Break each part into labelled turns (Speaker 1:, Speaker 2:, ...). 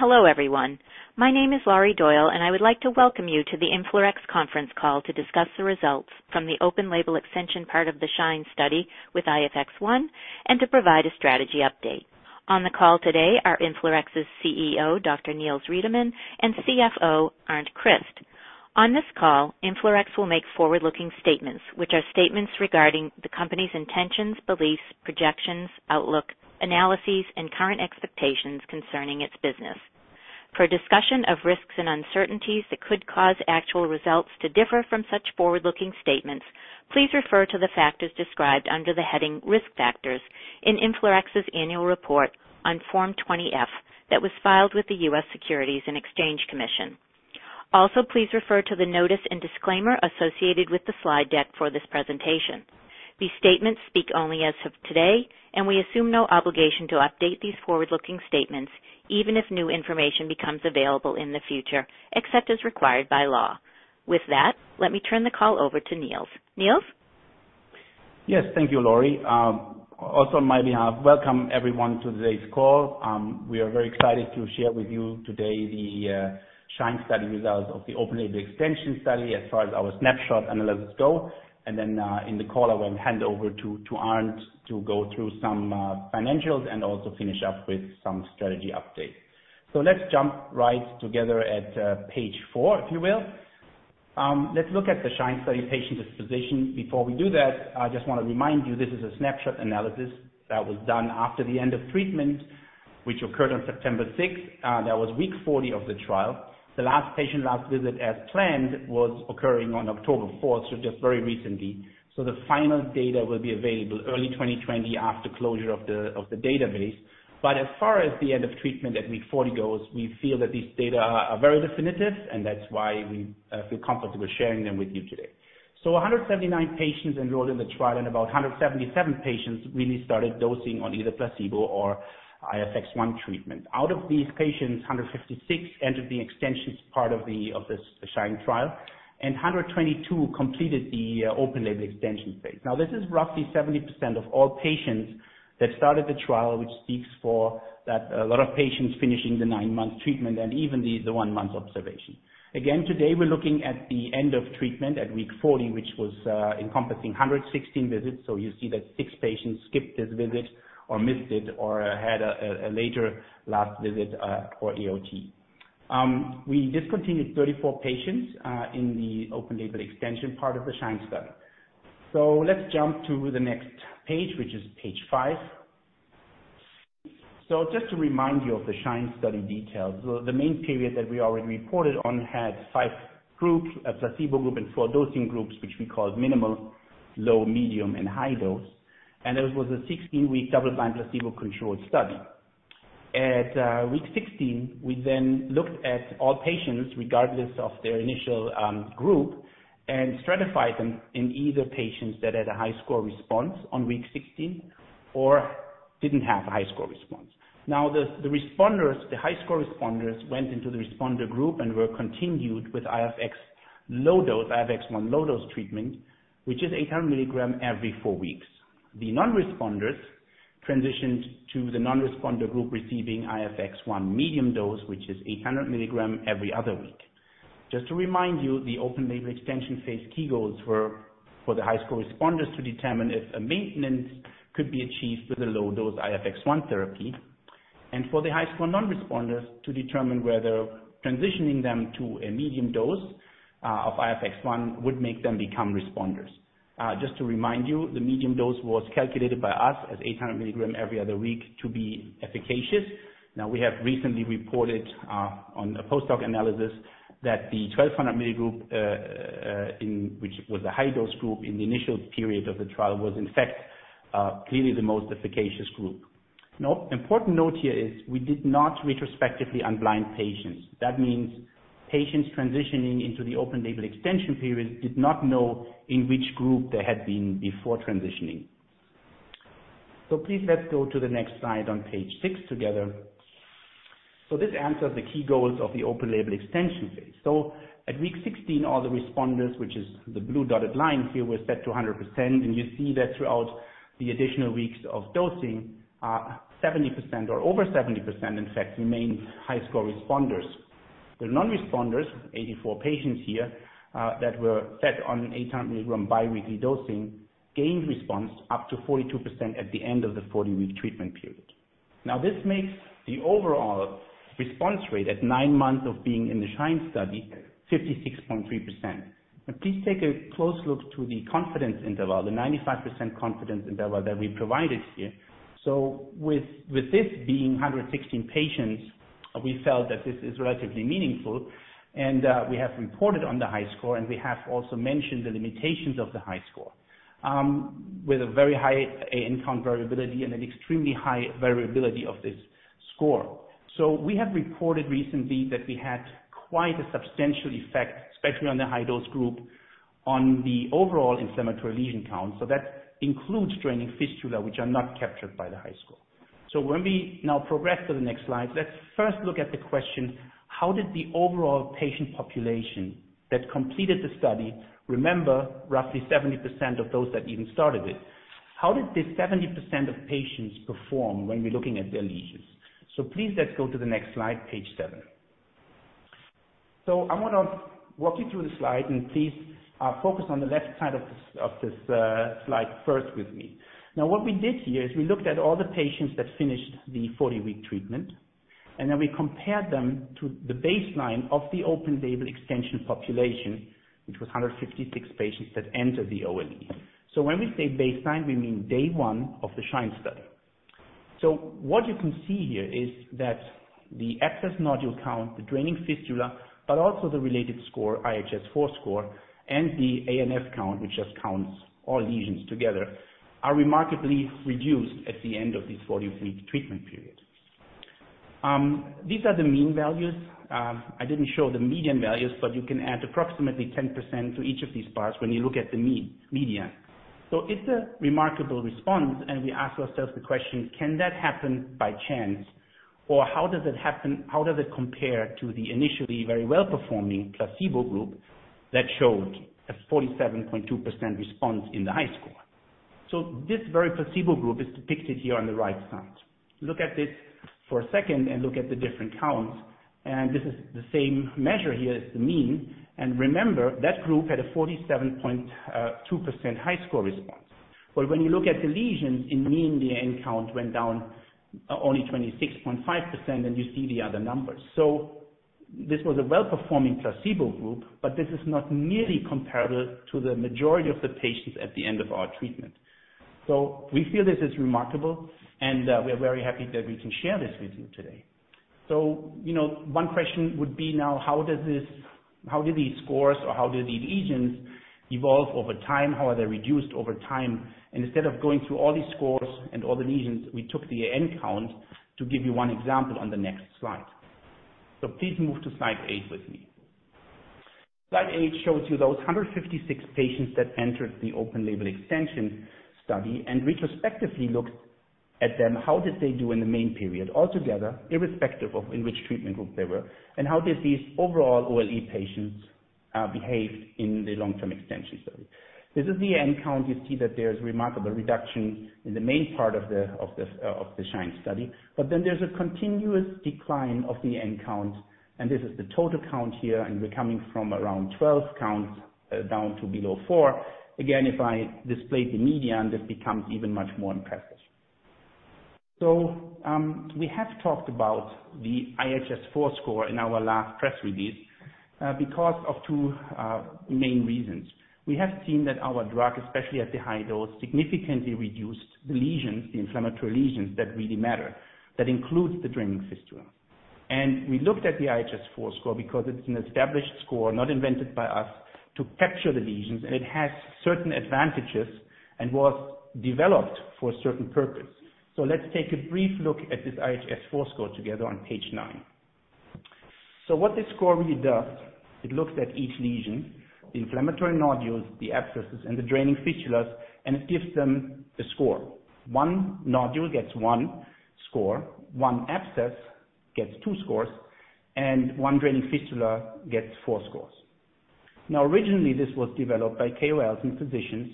Speaker 1: Hello everyone. My name is Laurie Doyle, and I would like to welcome you to the InflaRx conference call to discuss the results from the open label extension part of the SHINE study with IFX-1, and to provide a strategy update. On the call today are InflaRx's CEO, Dr. Niels Riedemann, and CFO, Arnd Christ. On this call, InflaRx will make forward-looking statements, which are statements regarding the company's intentions, beliefs, projections, outlook, analyses, and current expectations concerning its business. For a discussion of risks and uncertainties that could cause actual results to differ from such forward-looking statements, please refer to the factors described under the heading Risk Factors in InflaRx's annual report on Form 20-F that was filed with the US Securities and Exchange Commission. Also, please refer to the notice and disclaimer associated with the slide deck for this presentation. These statements speak only as of today, and we assume no obligation to update these forward-looking statements, even if new information becomes available in the future, except as required by law. With that, let me turn the call over to Niels. Niels?
Speaker 2: Yes, thank you, Laurie. Also on my behalf, welcome everyone to today's call. We are very excited to share with you today the SHINE study results of the open label extension study as far as our snapshot analysis go. Then, in the call, I will hand over to Arnd to go through some financials and also finish up with some strategy updates. Let's jump right together at page four, if you will. Let's look at the SHINE study patient disposition. Before we do that, I just want to remind you, this is a snapshot analysis that was done after the end of treatment, which occurred on September sixth. That was week 40 of the trial. The last patient last visit as planned was occurring on October fourth, just very recently. The final data will be available early 2020 after closure of the database. As far as the end of treatment at week 40 goes, we feel that these data are very definitive, and that's why we feel comfortable sharing them with you today. 179 patients enrolled in the trial, and about 177 patients really started dosing on either placebo or IFX-1 treatment. Out of these patients, 156 entered the extensions part of the SHINE trial, and 122 completed the open label extension phase. This is roughly 70% of all patients that started the trial, which speaks for that a lot of patients finishing the nine-month treatment and even the one-month observation. Today we're looking at the end of treatment at week 40, which was encompassing 116 visits. You see that six patients skipped this visit or missed it or had a later last visit, for EOT. We discontinued 34 patients in the open label extension part of the SHINE study. Let's jump to the next page, which is page five. Just to remind you of the SHINE study details. The main period that we already reported on had five groups, a placebo group and four dosing groups, which we call minimal, low, medium, and high dose. It was a 16-week double-blind, placebo-controlled study. At week 16, we then looked at all patients, regardless of their initial group, and stratified them in either patients that had a HiSCR response on week 16 or didn't have a HiSCR response. The responders, the HiSCR responders, went into the responder group and were continued with IFX-1 low dose treatment, which is 800 milligram every four weeks. The non-responders transitioned to the non-responder group receiving IFX-1 medium dose, which is 800 milligrams every other week. Just to remind you, the open label extension phase key goals were for the high score responders to determine if a maintenance could be achieved with a low dose IFX-1 therapy. For the high score non-responders to determine whether transitioning them to a medium dose of IFX-1 would make them become responders. Just to remind you, the medium dose was calculated by us as 800 milligrams every other week to be efficacious. Important note here is we did not retrospectively unblind patients. That means patients transitioning into the open label extension period did not know in which group they had been before transitioning. Please let's go to the next slide on page six together. This answers the key goals of the open label extension phase. At week 16, all the responders, which is the blue dotted line here, were set to 100%, and you see that throughout the additional weeks of dosing, 70% or over 70%, in fact, remain HiSCR responders. The non-responders, 84 patients here, that were set on 800 milligram biweekly dosing, gained response up to 42% at the end of the 40-week treatment period. This makes the overall response rate at nine months of being in the SHINE study 56.3%. Please take a close look to the confidence interval, the 95% confidence interval that we provided here. With this being 116 patients, we felt that this is relatively meaningful and we have reported on the HiSCR, and we have also mentioned the limitations of the HiSCR, with a very high AN count variability and an extremely high variability of this score. We have reported recently that we had quite a substantial effect, especially on the high dose group, on the overall inflammatory lesion count. That includes draining fistula, which are not captured by the HiSCR. When we now progress to the next slide, let's first look at the question: How did the overall patient population that completed the study, remember, roughly 70% of those that even started it-How did the 70% of patients perform when we're looking at their lesions? Please let's go to the next slide, page seven. I want to walk you through the slide, and please focus on the left side of this slide first with me. Now, what we did here is we looked at all the patients that finished the 40-week treatment, and then we compared them to the baseline of the open-label extension population, which was 156 patients that entered the OLE. When we say baseline, we mean day one of the SHINE study. What you can see here is that the abscess nodule count, the draining fistula, but also the related score, IHS4 score, and the ANF count, which just counts all lesions together, are remarkably reduced at the end of this 40-week treatment period. These are the mean values. I didn't show the median values, but you can add approximately 10% to each of these bars when you look at the median. It's a remarkable response, and we ask ourselves the question, can that happen by chance? How does it compare to the initially very well-performing placebo group that showed a 47.2% response in the HiSCR? This very placebo group is depicted here on the right side. Look at this for a second and look at the different counts, and this is the same measure here as the mean. Remember, that group had a 47.2% HiSCR response. When you look at the lesions, in mean, their AN count went down only 26.5%, and you see the other numbers. This was a well-performing placebo group, but this is not nearly comparable to the majority of the patients at the end of our treatment. We feel this is remarkable, and we are very happy that we can share this with you today. One question would be now, how do these scores or how do these lesions evolve over time? How are they reduced over time? Instead of going through all these scores and all the lesions, we took the AN count to give you one example on the next slide. Please move to slide eight with me. Slide eight shows you those 156 patients that entered the open-label extension study and retrospectively looked at them, how did they do in the main period, altogether, irrespective of in which treatment group they were, and how did these overall OLE patients behave in the long-term extension study. This is the AN count. You see that there is remarkable reduction in the main part of the SHINE study. There's a continuous decline of the AN count, and this is the total count here, and we're coming from around 12 counts down to below 4. If I displayed the median, this becomes even much more impressive. We have talked about the IHS4 score in our last press release because of two main reasons. We have seen that our drug, especially at the high dose, significantly reduced the lesions, the inflammatory lesions that really matter. That includes the draining fistula. We looked at the IHS4 score because it's an established score, not invented by us, to capture the lesions, and it has certain advantages and was developed for a certain purpose. Let's take a brief look at this IHS4 score together on page nine. What this score really does, it looks at each lesion, the inflammatory nodules, the abscesses, and the draining fistulas, and it gives them the score. One nodule gets one score, one abscess gets two scores, and one draining fistula gets four scores. Originally, this was developed by KOLs and physicians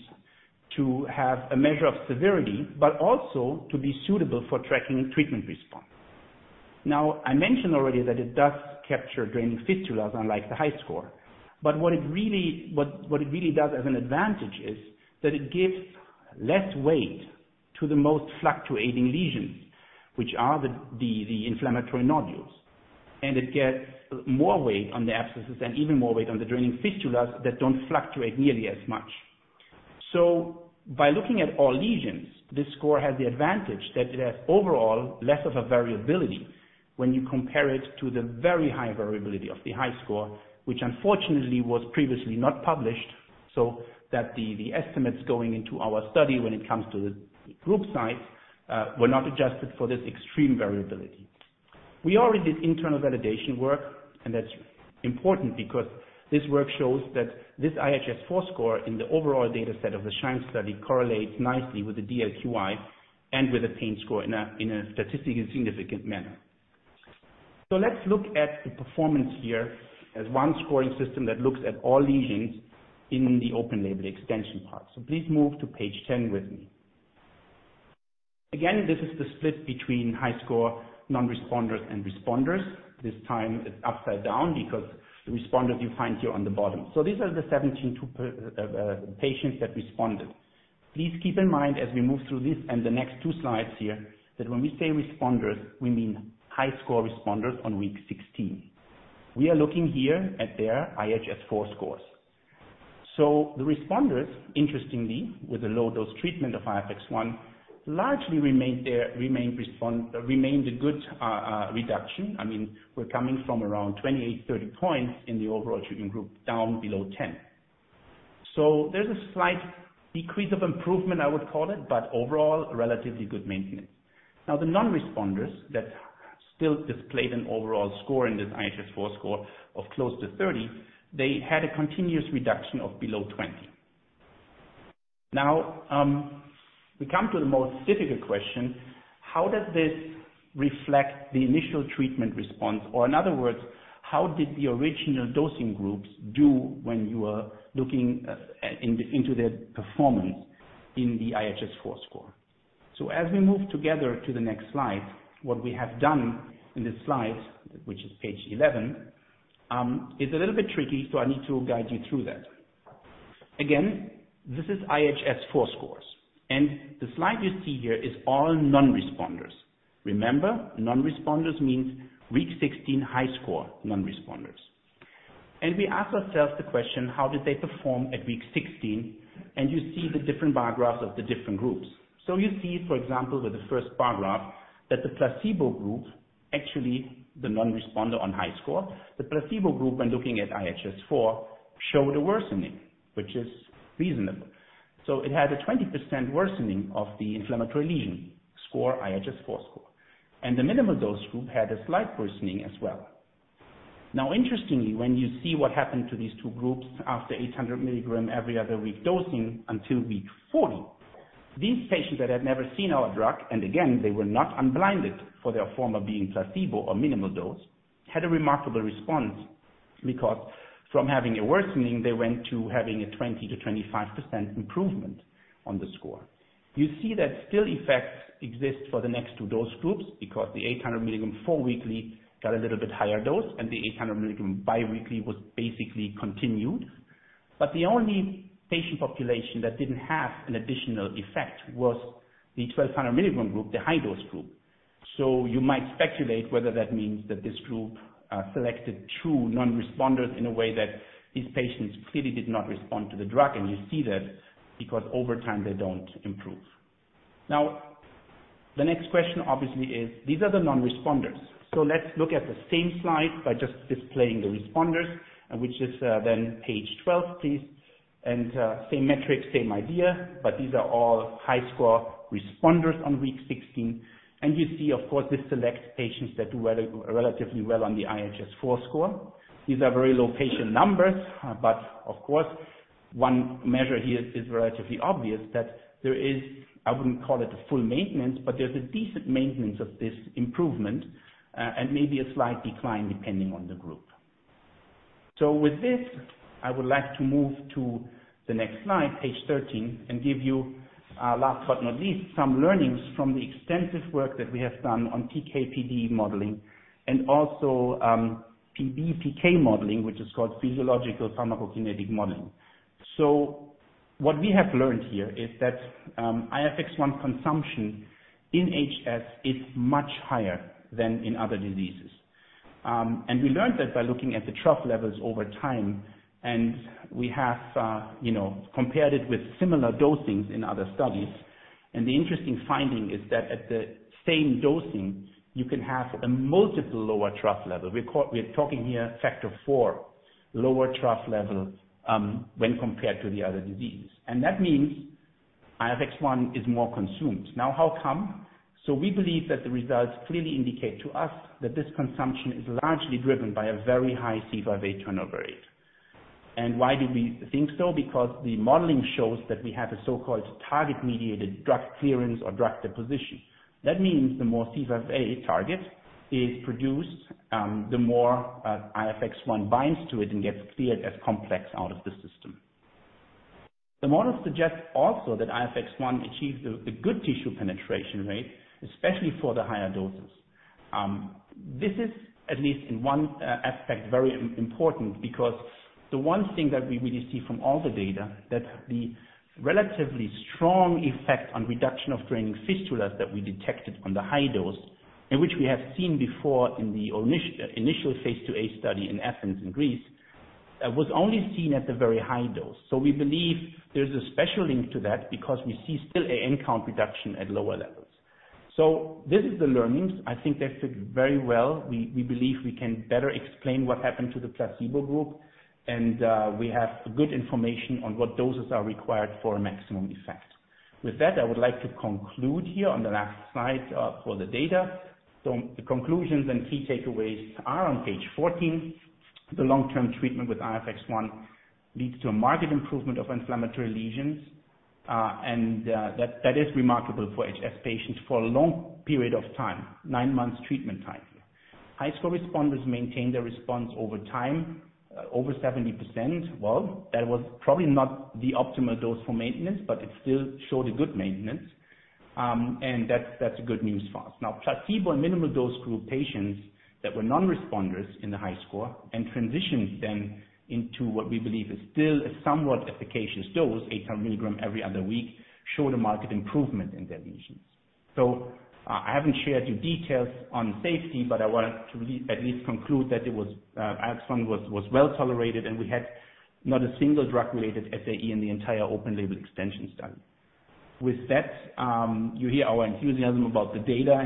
Speaker 2: to have a measure of severity, but also to be suitable for tracking treatment response. I mentioned already that it does capture draining fistulas, unlike the HiSCR. What it really does as an advantage is that it gives less weight to the most fluctuating lesions, which are the inflammatory nodules. It gets more weight on the abscesses and even more weight on the draining fistulas that don't fluctuate nearly as much. By looking at all lesions, this score has the advantage that it has overall less of a variability when you compare it to the very high variability of the HiSCR, which unfortunately was previously not published, that the estimates going into our study when it comes to the group size were not adjusted for this extreme variability. We already did internal validation work, and that's important because this work shows that this IHS4 score in the overall data set of the SHINE study correlates nicely with the DLQI and with a pain score in a statistically significant manner. Let's look at the performance here as one scoring system that looks at all lesions in the open-label extension part. Please move to page 10 with me. Again, this is the split between HiSCR non-responders and responders. This time it's upside down because the responders you find here on the bottom. These are the 72 patients that responded. Please keep in mind as we move through this and the next two slides here, that when we say responders, we mean high-score responders on week 16. We are looking here at their IHS4 scores. The responders, interestingly, with the low-dose treatment of IFX-1, largely remained a good reduction. We're coming from around 28, 30 points in the overall treatment group down below 10. There's a slight decrease of improvement, I would call it, but overall, relatively good maintenance. The non-responders that still displayed an overall score in this IHS4 score of close to 30, they had a continuous reduction of below 20. We come to the most difficult question. How does this reflect the initial treatment response? In other words, how did the original dosing groups do when you are looking into their performance in the IHS4 score? As we move together to the next slide, what we have done in this slide, which is page 11, is a little bit tricky, so I need to guide you through that. Again, this is IHS4 scores, and the slide you see here is all non-responders. Remember, non-responders means week 16 HiSCR non-responders. We ask ourselves the question, how did they perform at week 16? You see the different bar graphs of the different groups. You see, for example, with the first bar graph, that the placebo group, actually the non-responder on HiSCR, the placebo group when looking at IHS4, showed a worsening, which is reasonable. It had a 20% worsening of the inflammatory lesion score, IHS4 score. The minimal dose group had a slight worsening as well. Interestingly, when you see what happened to these two groups after 800 mg every other week dosing until week 40, these patients that had never seen our drug, and again, they were not unblinded for their former being placebo or minimal dose, had a remarkable response because from having a worsening, they went to having a 20%-25% improvement on the score. You see that still effects exist for the next two dose groups because the 800 mg four-weekly got a little bit higher dose, and the 800 mg bi-weekly was basically continued. The only patient population that didn't have an additional effect was the 1,200 mg group, the high-dose group. You might speculate whether that means that this group selected true non-responders in a way that these patients clearly did not respond to the drug, and you see that because over time, they don't improve. The next question obviously is, these are the non-responders. Let's look at the same slide by just displaying the responders, which is then page 12, please. Same metrics, same idea, but these are all high score responders on week 16. You see, of course, this selects patients that do relatively well on the IHS4 score. These are very low patient numbers, but of course, one measure here is relatively obvious that there is, I wouldn't call it a full maintenance, but there's a decent maintenance of this improvement, and maybe a slight decline depending on the group. With this, I would like to move to the next slide, page 13, and give you, last but not least, some learnings from the extensive work that we have done on PK/PD modeling and also PBPK modeling, which is called physiological pharmacokinetic modeling. What we have learned here is that IFX-1 consumption in HS is much higher than in other diseases. We learned that by looking at the trough levels over time, and we have compared it with similar dosings in other studies. The interesting finding is that at the same dosing, you can have a multiple lower trough level. We're talking here factor 4 lower trough level when compared to the other disease. That means IFX-1 is more consumed. Now, how come? We believe that the results clearly indicate to us that this consumption is largely driven by a very high C5a turnover rate. Why do we think so? Because the modeling shows that we have a so-called target-mediated drug clearance or drug deposition. That means the more C5a target is produced, the more IFX-1 binds to it and gets cleared as complex out of the system. The model suggests also that IFX-1 achieves a good tissue penetration rate, especially for the higher doses. This is at least in one aspect, very important because the one thing that we really see from all the data, that the relatively strong effect on reduction of draining fistulas that we detected on the high dose and which we have seen before in the initial Phase IIa study in Athens in Greece, was only seen at the very high dose. We believe there's a special link to that because we see still an AN count reduction at lower levels. This is the learnings. I think they fit very well. We believe we can better explain what happened to the placebo group, and we have good information on what doses are required for a maximum effect. With that, I would like to conclude here on the last slide for the data. The conclusions and key takeaways are on page 14. The long-term treatment with IFX-1 leads to a marked improvement of inflammatory lesions, and that is remarkable for HS patients for a long period of time, nine months treatment time. HiSCR responders maintained their response over time, over 70%. Well, that was probably not the optimal dose for maintenance, but it still showed a good maintenance, and that's good news for us. Placebo and minimal dose group patients that were non-responders in the HiSCR and transitioned then into what we believe is still a somewhat efficacious dose, 800 milligram every other week, showed a marked improvement in their lesions. I haven't shared you details on safety, but I want to at least conclude that IFX-1 was well-tolerated, and we had not a single drug-related SAE in the entire open label extension study. With that, you hear our enthusiasm about the data,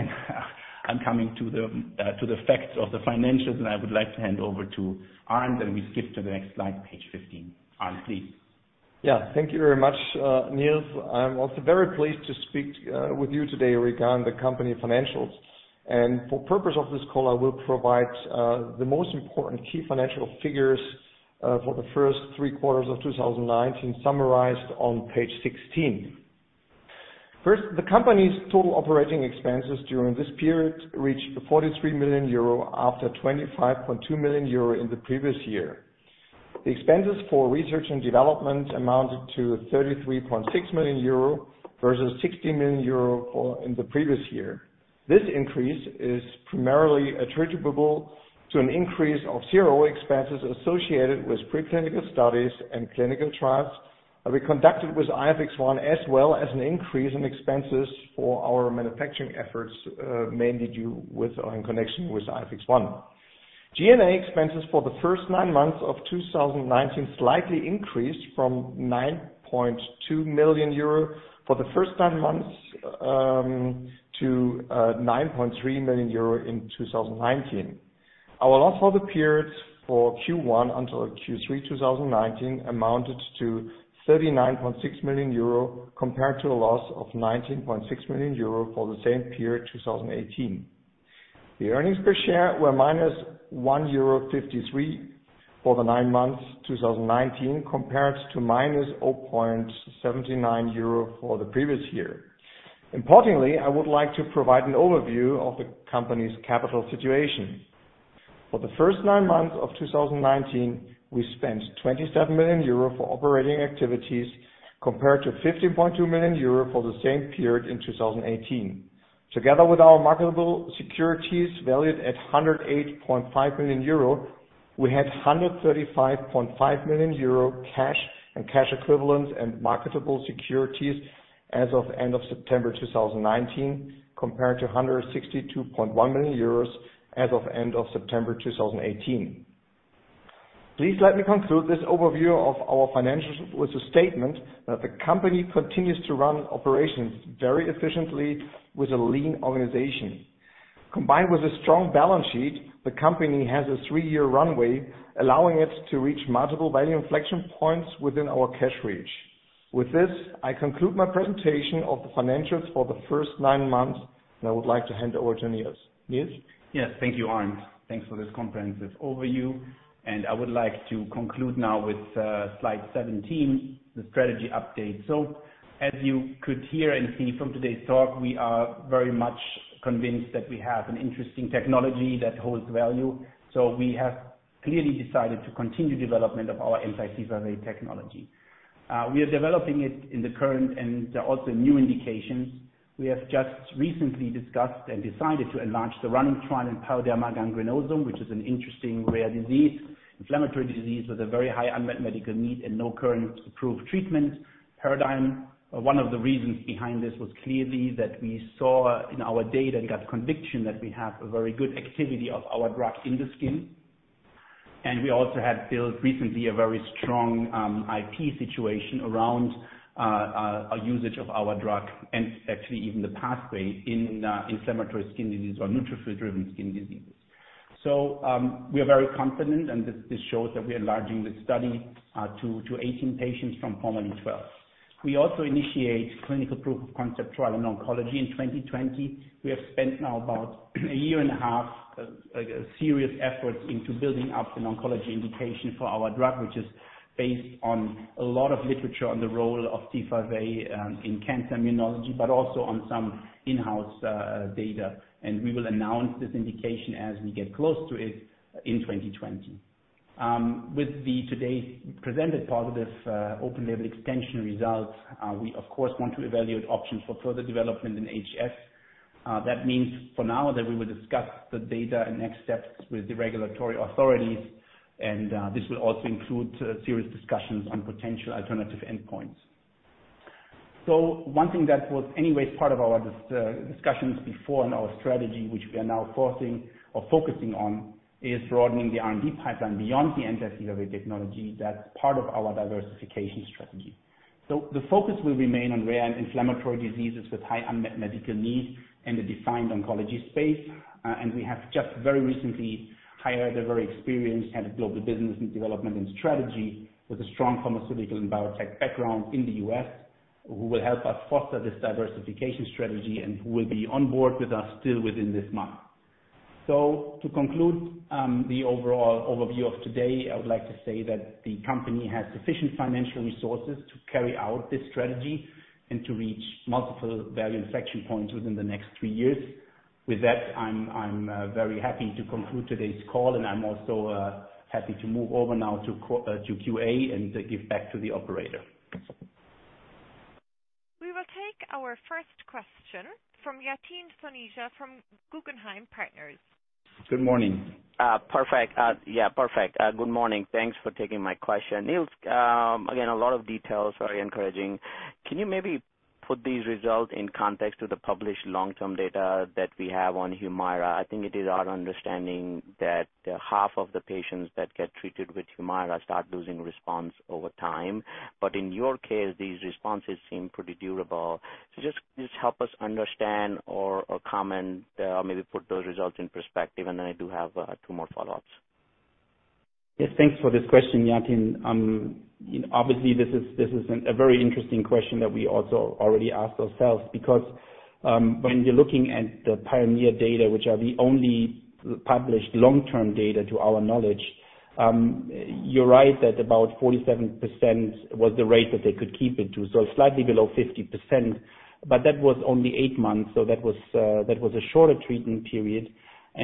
Speaker 2: I'm coming to the facts of the financials, and I would like to hand over to Arnd, we skip to the next slide, page 15. Arnd, please.
Speaker 3: Yeah. Thank you very much, Niels. I'm also very pleased to speak with you today regarding the company financials. For purpose of this call, I will provide the most important key financial figures for the first three quarters of 2019 summarized on page 16. First, the company's total operating expenses during this period reached 43 million euro after 25.2 million euro in the previous year. The expenses for research and development amounted to 33.6 million euro versus 16 million euro in the previous year. This increase is primarily attributable to an increase of CRO expenses associated with pre-clinical studies and clinical trials that we conducted with IFX-1, as well as an increase in expenses for our manufacturing efforts, mainly due in connection with IFX-1. G&A expenses for the first nine months of 2019 slightly increased from 9.2 million euro for the first nine months to 9.3 million euro in 2019. Our loss for the periods for Q1 until Q3 2019 amounted to 39.6 million euro compared to a loss of 19.6 million euro for the same period 2018. The earnings per share were minus 1.53 euro for the nine months 2019 compared to minus 0.79 euro for the previous year. Importantly, I would like to provide an overview of the company's capital situation. For the first nine months of 2019 we spent 27 million euro for operating activities compared to 15.2 million euro for the same period in 2018. Together with our marketable securities valued at 108.5 million euro we had 135.5 million euro cash and cash equivalents and marketable securities as of end of September 2019 compared to 162.1 million euros as of end of September 2018. Please let me conclude this overview of our financials with a statement that the company continues to run operations very efficiently with a lean organization. Combined with a strong balance sheet, the company has a three-year runway allowing it to reach multiple value inflection points within our cash reach. With this, I conclude my presentation of the financials for the first nine months, and I would like to hand over to Niels. Niels?
Speaker 2: Yes. Thank you, Arnd. Thanks for this comprehensive overview. I would like to conclude now with slide 17, the strategy update. As you could hear and see from today's talk, we are very much convinced that we have an interesting technology that holds value. We have clearly decided to continue development of our anti-C5a technology. We are developing it in the current and also new indications. We have just recently discussed and decided to enlarge the running trial in pyoderma gangrenosum, which is an interesting rare inflammatory disease with a very high unmet medical need and no current approved treatment paradigm. One of the reasons behind this was clearly that we saw in our data and got conviction that we have a very good activity of our drug in the skin. We also had built recently a very strong IP situation around a usage of our drug and actually even the pathway in inflammatory skin disease or neutrophil-driven skin diseases. We are very confident, and this shows that we are enlarging the study to 18 patients from formerly 12. We also initiate clinical proof of concept trial in oncology in 2020. We have spent now about a year and a half, serious efforts into building up an oncology indication for our drug, which is based on a lot of literature on the role of C5a in cancer immunology, but also on some in-house data. We will announce this indication as we get close to it in 2020. With the today presented positive open label extension results, we of course, want to evaluate options for further development in HS. That means for now that we will discuss the data and next steps with the regulatory authorities. This will also include serious discussions on potential alternative endpoints. One thing that was anyways part of our discussions before and our strategy, which we are now focusing on, is broadening the R&D pipeline beyond the anti-C5a technology. That's part of our diversification strategy. The focus will remain on rare inflammatory diseases with high unmet medical needs in the defined oncology space. We have just very recently hired a very experienced head of global business in development and strategy with a strong pharmaceutical and biotech background in the U.S. who will help us foster this diversification strategy and who will be on board with us still within this month. To conclude the overall overview of today, I would like to say that the company has sufficient financial resources to carry out this strategy and to reach multiple value inflection points within the next three years. With that, I'm very happy to conclude today's call and I'm also happy to move over now to QA and give back to the operator.
Speaker 4: We will take our first question from Yatin Suneja from Guggenheim Securities.
Speaker 3: Good morning.
Speaker 5: Perfect. Good morning. Thanks for taking my question. Niels, again, a lot of details, very encouraging. Can you maybe put these results in context to the published long-term data that we have on HUMIRA? I think it is our understanding that half of the patients that get treated with HUMIRA start losing response over time. In your case, these responses seem pretty durable. Just help us understand or comment or maybe put those results in perspective. I do have two more follow-ups.
Speaker 2: Yes, thanks for this question, Yatin. Obviously, this is a very interesting question that we also already asked ourselves, because when you're looking at the PIONEER data, which are the only published long-term data to our knowledge, you're right that about 47% was the rate that they could keep it to. Slightly below 50%, but that was only eight months, so that was a shorter treatment period.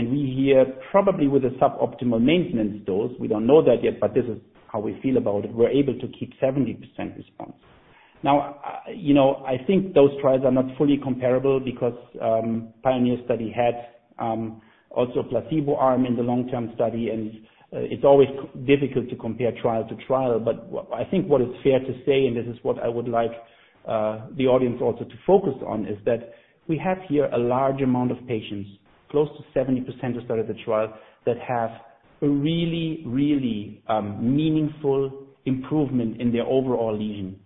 Speaker 2: We hear probably with a suboptimal maintenance dose, we don't know that yet, but this is how we feel about it, we're able to keep 70% response. Now, I think those trials are not fully comparable because PIONEER study had also placebo arm in the long-term study, and it's always difficult to compare trial to trial. I think what is fair to say, and this is what I would like the audience also to focus on, is that we have here a large amount of patients, close to 70% who started the trial, that have a really meaningful improvement in their overall lesion.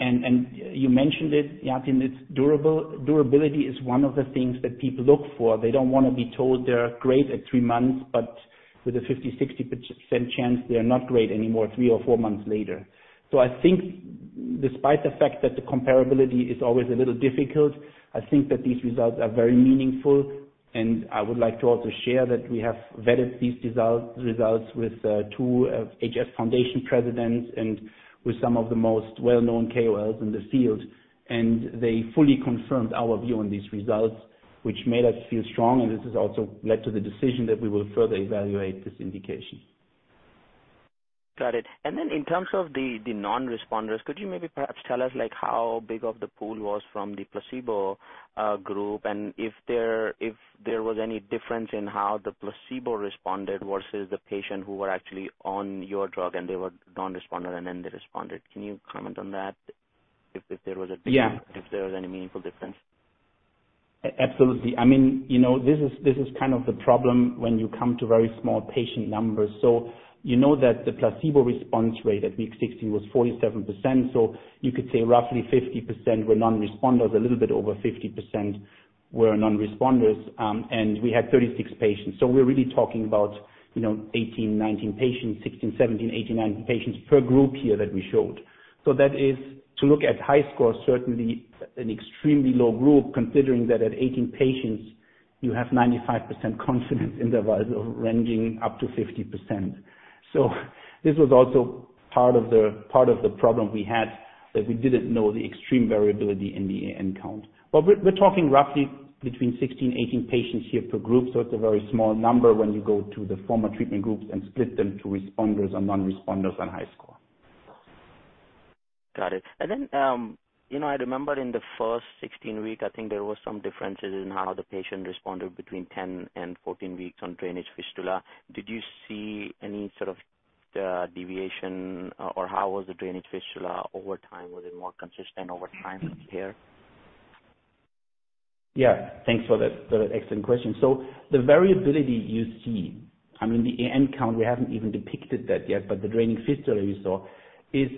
Speaker 2: You mentioned it, Yatin, durability is one of the things that people look for. They don't want to be told they're great at three months, but with a 50%, 60% chance, they're not great anymore three or four months later. I think despite the fact that the comparability is always a little difficult, I think that these results are very meaningful, and I would like to also share that we have vetted these results with two HS Foundation presidents and with some of the most well-known KOLs in the field, and they fully confirmed our view on these results, which made us feel strong, and this has also led to the decision that we will further evaluate this indication.
Speaker 5: Got it. In terms of the non-responders, could you maybe perhaps tell us how big of the pool was from the placebo group and if there was any difference in how the placebo responded versus the patients who were actually on your drug and they were non-responders and then they responded? Can you comment on that, if there was any?
Speaker 2: Yeah
Speaker 5: if there was any meaningful difference?
Speaker 2: Absolutely. This is kind of the problem when you come to very small patient numbers. You know that the placebo response rate at week 16 was 47%, you could say roughly 50% were non-responders. A little bit over 50% were non-responders, and we had 36 patients. We're really talking about 18, 19 patients, 16, 17, 18, 19 patients per group here that we showed. That is to look at HiSCR, certainly an extremely low group considering that at 18 patients you have 95% confidence interval ranging up to 50%. This was also part of the problem we had, that we didn't know the extreme variability in the AN count. We're talking roughly between 16, 18 patients here per group, it's a very small number when you go to the former treatment groups and split them to responders and non-responders on HiSCR.
Speaker 5: Got it. I remember in the first 16 week, I think there was some differences in how the patient responded between 10 and 14 weeks on drainage fistula. Did you see any sort of deviation or how was the drainage fistula over time? Was it more consistent over time here?
Speaker 2: Yeah, thanks for that excellent question. The variability you see, the AN count, we haven't even depicted that yet, the draining fistula you saw is,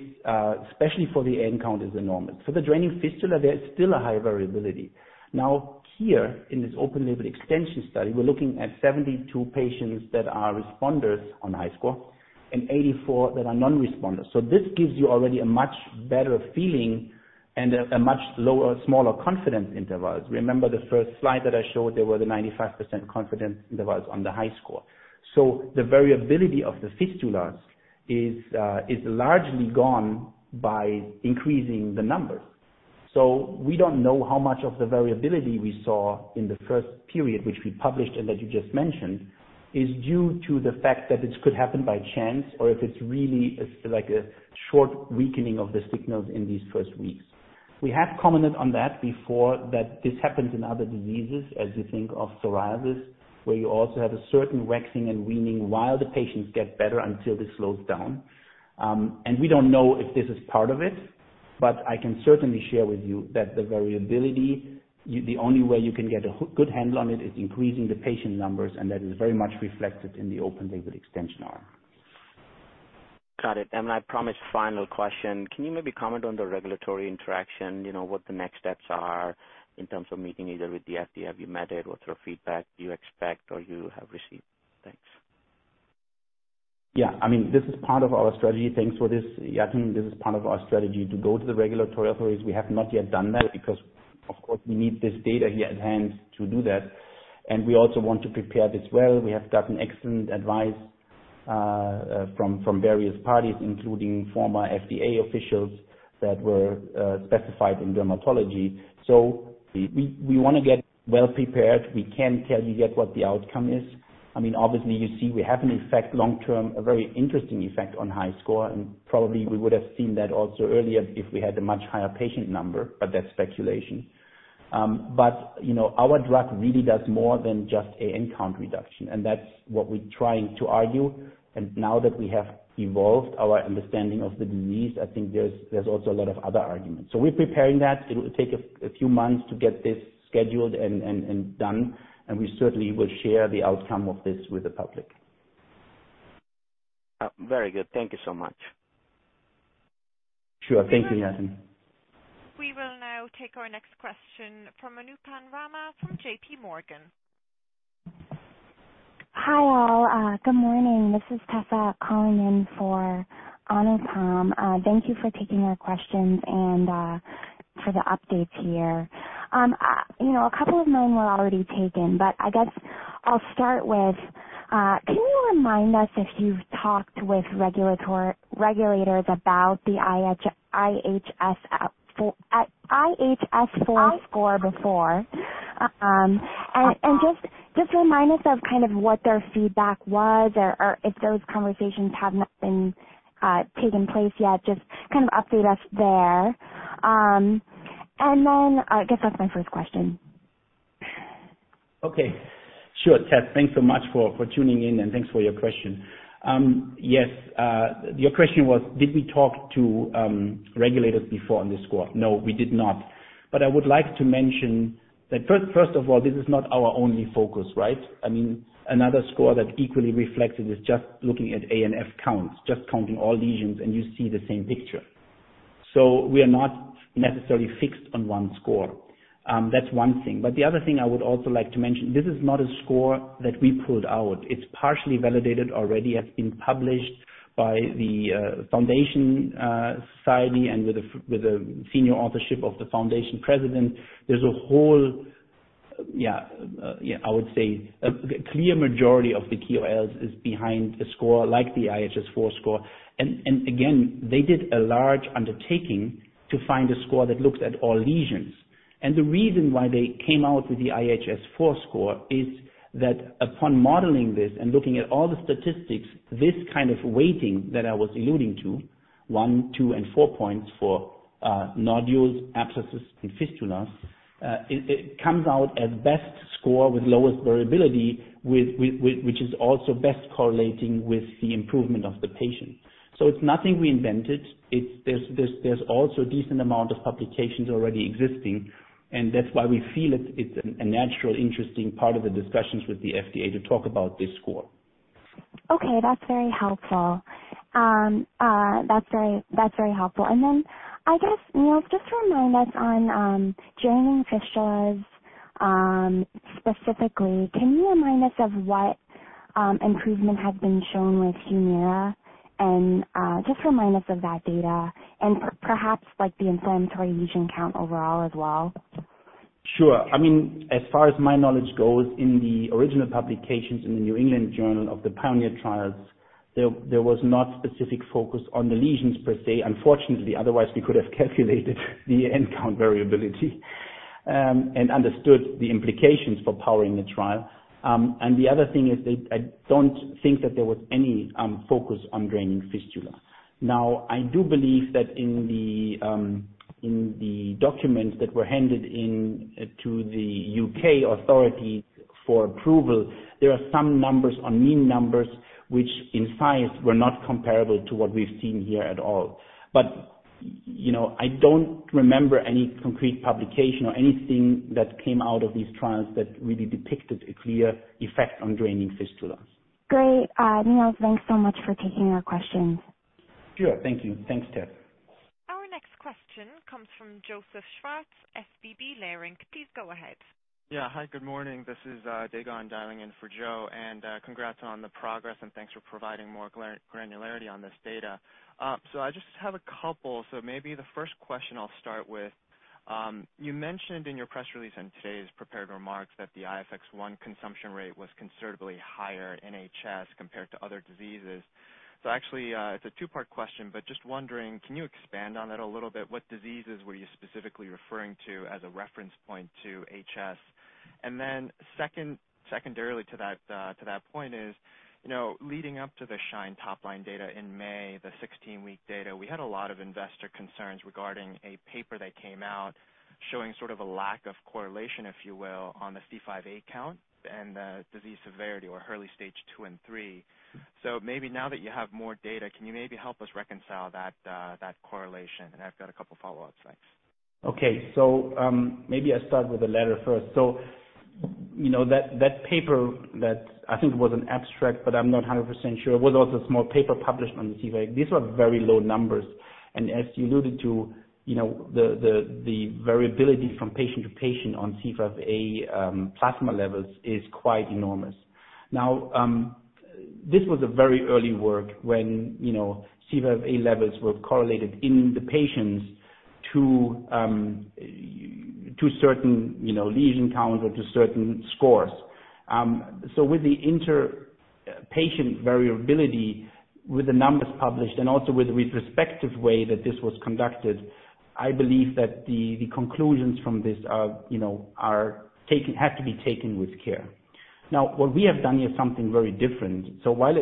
Speaker 2: especially for the AN count, is enormous. For the draining fistula, there is still a high variability. Here in this open label extension study, we're looking at 72 patients that are responders on HiSCR and 84 that are non-responders. This gives you already a much better feeling and a much lower, smaller confidence interval. Remember the first slide that I showed, there were the 95% confidence intervals on the HiSCR. The variability of the fistulas is largely gone by increasing the numbers. We don't know how much of the variability we saw in the first period, which we published and that you just mentioned, is due to the fact that it could happen by chance or if it's really like a short weakening of the signals in these first weeks. We have commented on that before, that this happens in other diseases as you think of psoriasis, where you also have a certain waxing and waning while the patients get better until this slows down. We don't know if this is part of it, but I can certainly share with you that the variability, the only way you can get a good handle on it, is increasing the patient numbers, and that is very much reflected in the open label extension arm.
Speaker 5: Got it. I promise, final question. Can you maybe comment on the regulatory interaction? What the next steps are in terms of meeting either with the FDA, have you met it? What sort of feedback do you expect or you have received? Thanks.
Speaker 2: This is part of our strategy. Thanks for this, Yatin. This is part of our strategy to go to the regulatory authorities. We have not yet done that because, of course, we need this data here at hand to do that, and we also want to prepare this well. We have gotten excellent advice from various parties, including former FDA officials that were specified in dermatology. We want to get well prepared. We can't tell you yet what the outcome is. Obviously, you see we have an effect long-term, a very interesting effect on HiSCR, and probably we would have seen that also earlier if we had a much higher patient number, but that's speculation. Our drug really does more than just AN count reduction, and that's what we're trying to argue. Now that we have evolved our understanding of the disease, I think there's also a lot of other arguments. We're preparing that. It will take a few months to get this scheduled and done, and we certainly will share the outcome of this with the public.
Speaker 5: Very good. Thank you so much.
Speaker 2: Sure. Thank you, Yatin.
Speaker 4: We will now take our next question from Anupam Rama from JPMorgan.
Speaker 6: Hi all. Good morning. This is Tessa calling in for Anupam. Thank you for taking our questions and for the updates here. A couple of mine were already taken, but I guess I'll start with, can you remind us if you've talked with regulators about the IHS4 score before? Just remind us of kind of what their feedback was or if those conversations have not been taken place yet, just update us there. I guess that's my first question.
Speaker 2: Okay. Sure, Tess. Thanks so much for tuning in and thanks for your question. Yes. Your question was, did we talk to regulators before on this score? No, we did not. I would like to mention that first of all, this is not our only focus, right? Another score that equally reflected is just looking at ANF counts, just counting all lesions, and you see the same picture. We are not necessarily fixed on one score. That's one thing. The other thing I would also like to mention, this is not a score that we pulled out. It's partially validated already, has been published by the foundation society and with the senior authorship of the foundation president. There's a whole, I would say, a clear majority of the KOLs is behind a score like the IHS-4 score. Again, they did a large undertaking to find a score that looks at all lesions. The reason why they came out with the IHS4 score is that upon modeling this and looking at all the statistics, this kind of weighting that I was alluding to, one, two, and four points for nodules, abscesses, and fistulas, it comes out as best score with lowest variability, which is also best correlating with the improvement of the patient. It's nothing we invented. There's also a decent amount of publications already existing, and that's why we feel it's a naturally interesting part of the discussions with the FDA to talk about this score.
Speaker 6: Okay, that's very helpful. I guess, just to remind us on draining fistulas specifically, can you remind us of what improvement has been shown with HUMIRA and just remind us of that data and perhaps like the inflammatory lesion count overall as well?
Speaker 2: Sure. As far as my knowledge goes, in the original publications in the New England Journal of the PIONEER trials, there was not specific focus on the lesions per se, unfortunately. Otherwise, we could have calculated the AN count variability and understood the implications for powering the trial. The other thing is I don't think that there was any focus on draining fistula. Now, I do believe that in the documents that were handed in to the U.K. authorities for approval, there are some numbers on mean numbers, which in size were not comparable to what we've seen here at all. I don't remember any concrete publication or anything that came out of these trials that really depicted a clear effect on draining fistulas.
Speaker 6: Great. Thanks so much for taking our questions.
Speaker 2: Sure. Thank you. Thanks, Tess.
Speaker 4: Our next question comes from Joseph Schwartz, SVB Leerink. Please go ahead.
Speaker 7: Yeah. Hi, good morning. This is Dagon dialing in for Joe. Congrats on the progress, thanks for providing more granularity on this data. I just have a couple. Maybe the first question I'll start with, you mentioned in your press release and today's prepared remarks that the IFX-1 consumption rate was considerably higher in HS compared to other diseases. Actually, it's a two-part question, but just wondering, can you expand on that a little bit? What diseases were you specifically referring to as a reference point to HS? Secondarily to that point is, leading up to the SHINE top line data in May, the 16-week data, we had a lot of investor concerns regarding a paper that came out showing sort of a lack of correlation, if you will, on the C5a count and the disease severity or Hurley stage 2 and 3. Maybe now that you have more data, can you maybe help us reconcile that correlation? I've got a couple follow-ups. Thanks.
Speaker 2: Okay. Maybe I start with the latter first. That paper that I think was an abstract, but I'm not 100% sure, was also a small paper published on C5a. These were very low numbers, and as you alluded to, the variability from patient to patient on C5a plasma levels is quite enormous. Now, this was a very early work when C5a levels were correlated in the patients to certain lesion counts or to certain scores. With the inter-patient variability, with the numbers published and also with the retrospective way that this was conducted, I believe that the conclusions from this have to be taken with care. Now, what we have done here is something very different. While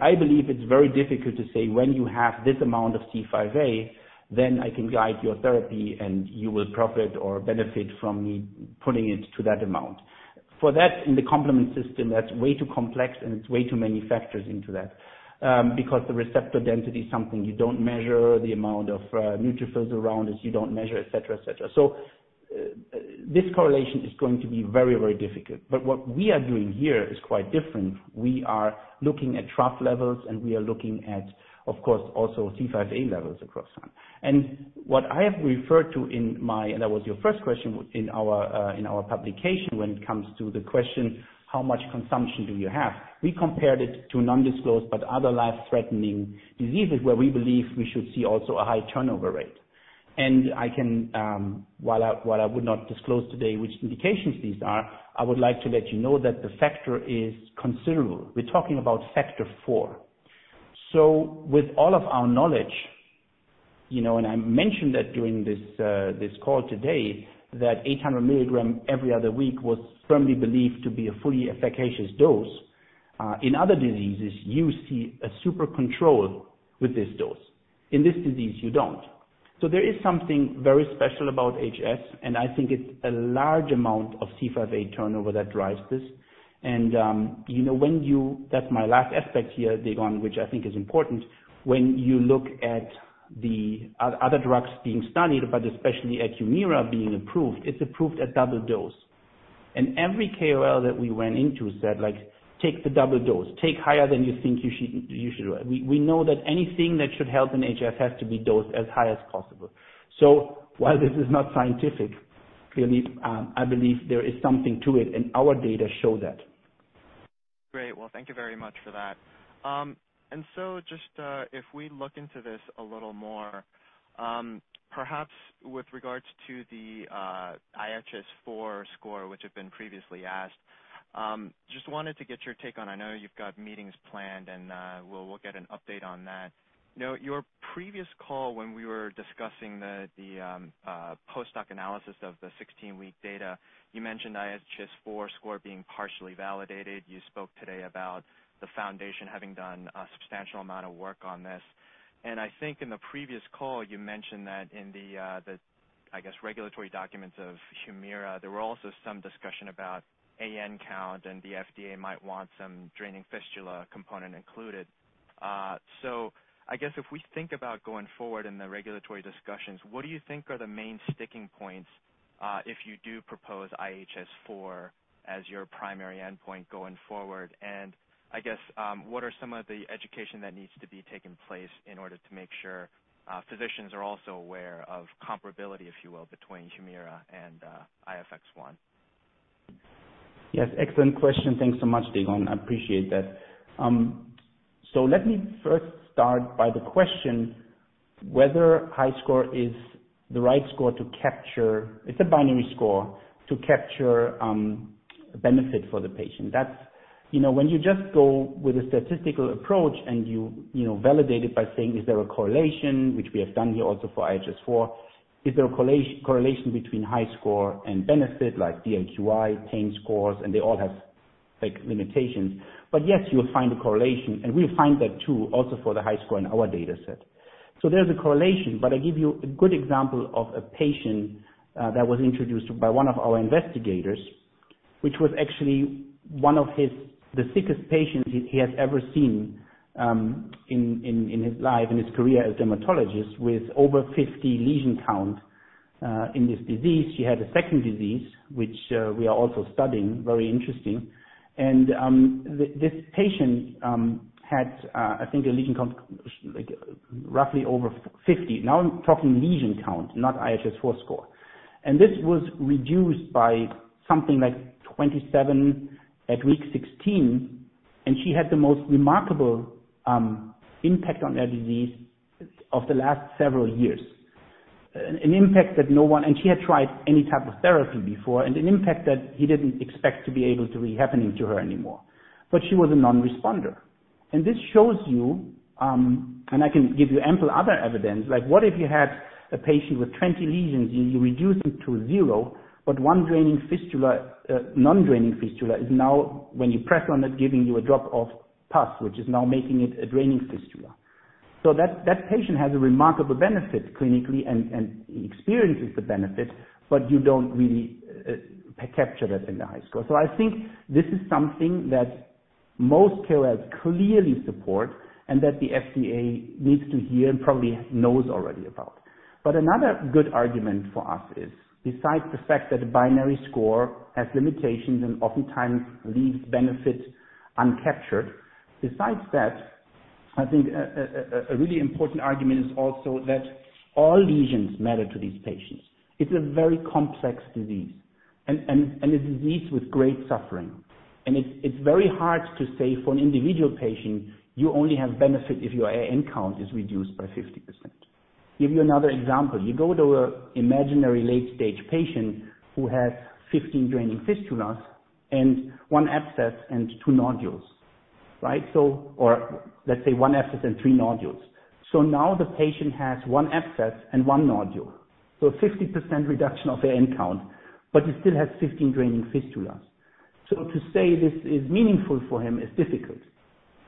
Speaker 2: I believe it's very difficult to say when you have this amount of C5a, then I can guide your therapy, and you will profit or benefit from me putting it to that amount. For that, in the complement system, that's way too complex and it's way too many factors into that. Because the receptor density is something you don't measure, the amount of neutrophils around is you don't measure, et cetera. This correlation is going to be very difficult. What we are doing here is quite different. We are looking at trough levels, and we are looking at, of course, also C5a levels across time. What I have referred to, and that was your first question, in our publication when it comes to the question: how much consumption do you have? We compared it to non-disclosed, but other life-threatening diseases where we believe we should see also a high turnover rate. While I would not disclose today which indications these are, I would like to let you know that the factor is considerable. We're talking about factor 4. With all of our knowledge, and I mentioned that during this call today, that 800 milligrams every other week was firmly believed to be a fully efficacious dose. In other diseases, you see a super control with this dose. In this disease, you don't. There is something very special about HS, and I think it's a large amount of C5a turnover that drives this. That's my last aspect here, Dagon, which I think is important. When you look at the other drugs being studied, but especially HUMIRA being approved, it's approved at double dose. Every KOL that we went into said, "Take the double dose. Take higher than you think you should." We know that anything that should help in HS has to be dosed as high as possible. While this is not scientific, clearly, I believe there is something to it, and our data show that.
Speaker 7: Great. Well, thank you very much for that. Just, if we look into this a little more, perhaps with regards to the IHS4 score, which had been previously asked, just wanted to get your take on, I know you've got meetings planned and we'll get an update on that. Your previous call when we were discussing the post-hoc analysis of the 16-week data, you mentioned IHS4 score being partially validated. You spoke today about the foundation having done a substantial amount of work on this. I think in the previous call, you mentioned that in the, I guess, regulatory documents of HUMIRA, there were also some discussion about AN count and the FDA might want some draining fistula component included. I guess if we think about going forward in the regulatory discussions, what do you think are the main sticking points if you do propose IHS4 as your primary endpoint going forward? I guess, what are some of the education that needs to be taking place in order to make sure physicians are also aware of comparability, if you will, between HUMIRA and IFX-1?
Speaker 2: Yes, excellent question. Thanks so much, Dagon. I appreciate that. Let me first start by the question whether HiSCR is the right score to capture, it's a binary score, to capture benefit for the patient. When you just go with a statistical approach and you validate it by saying, is there a correlation, which we have done here also for IHS4, is there a correlation between HiSCR and benefit like DLQI, pain scores, and they all have limitations. Yes, you'll find a correlation, and we find that too also for the HiSCR in our data set. There's a correlation, but I give you a good example of a patient that was introduced by one of our investigators, which was actually one of the sickest patients he has ever seen in his life, in his career as a dermatologist, with over 50 lesion count in this disease. She had a second disease, which we are also studying, very interesting. This patient had, I think, a lesion count, roughly over 50. Now I'm talking lesion count, not IHS4 score. This was reduced by something like 27 at week 16, and she had the most remarkable impact on her disease of the last several years. An impact that no one. She had tried any type of therapy before, and an impact that he didn't expect to be able to be happening to her anymore. She was a non-responder. This shows you, and I can give you ample other evidence, like what if you had a patient with 20 lesions and you reduce it to zero, but one draining fistula, non-draining fistula, is now when you press on it, giving you a drop of pus, which is now making it a draining fistula. That patient has a remarkable benefit clinically and experiences the benefit, but you don't really capture that in the HiSCR. I think this is something that most KOLs clearly support and that the FDA needs to hear and probably knows already about. Another good argument for us is, besides the fact that a binary score has limitations and oftentimes leaves benefits uncaptured, besides that, I think a really important argument is also that all lesions matter to these patients. It's a very complex disease and a disease with great suffering. It's very hard to say for an individual patient, you only have benefit if your AN count is reduced by 50%. Give you another example. You go to an imaginary late-stage patient who has 15 draining fistulas and one abscess and two nodules. Right? Let's say one abscess and three nodules. Now the patient has one abscess and one nodule. 50% reduction of AN count, but he still has 15 draining fistulas. To say this is meaningful for him is difficult.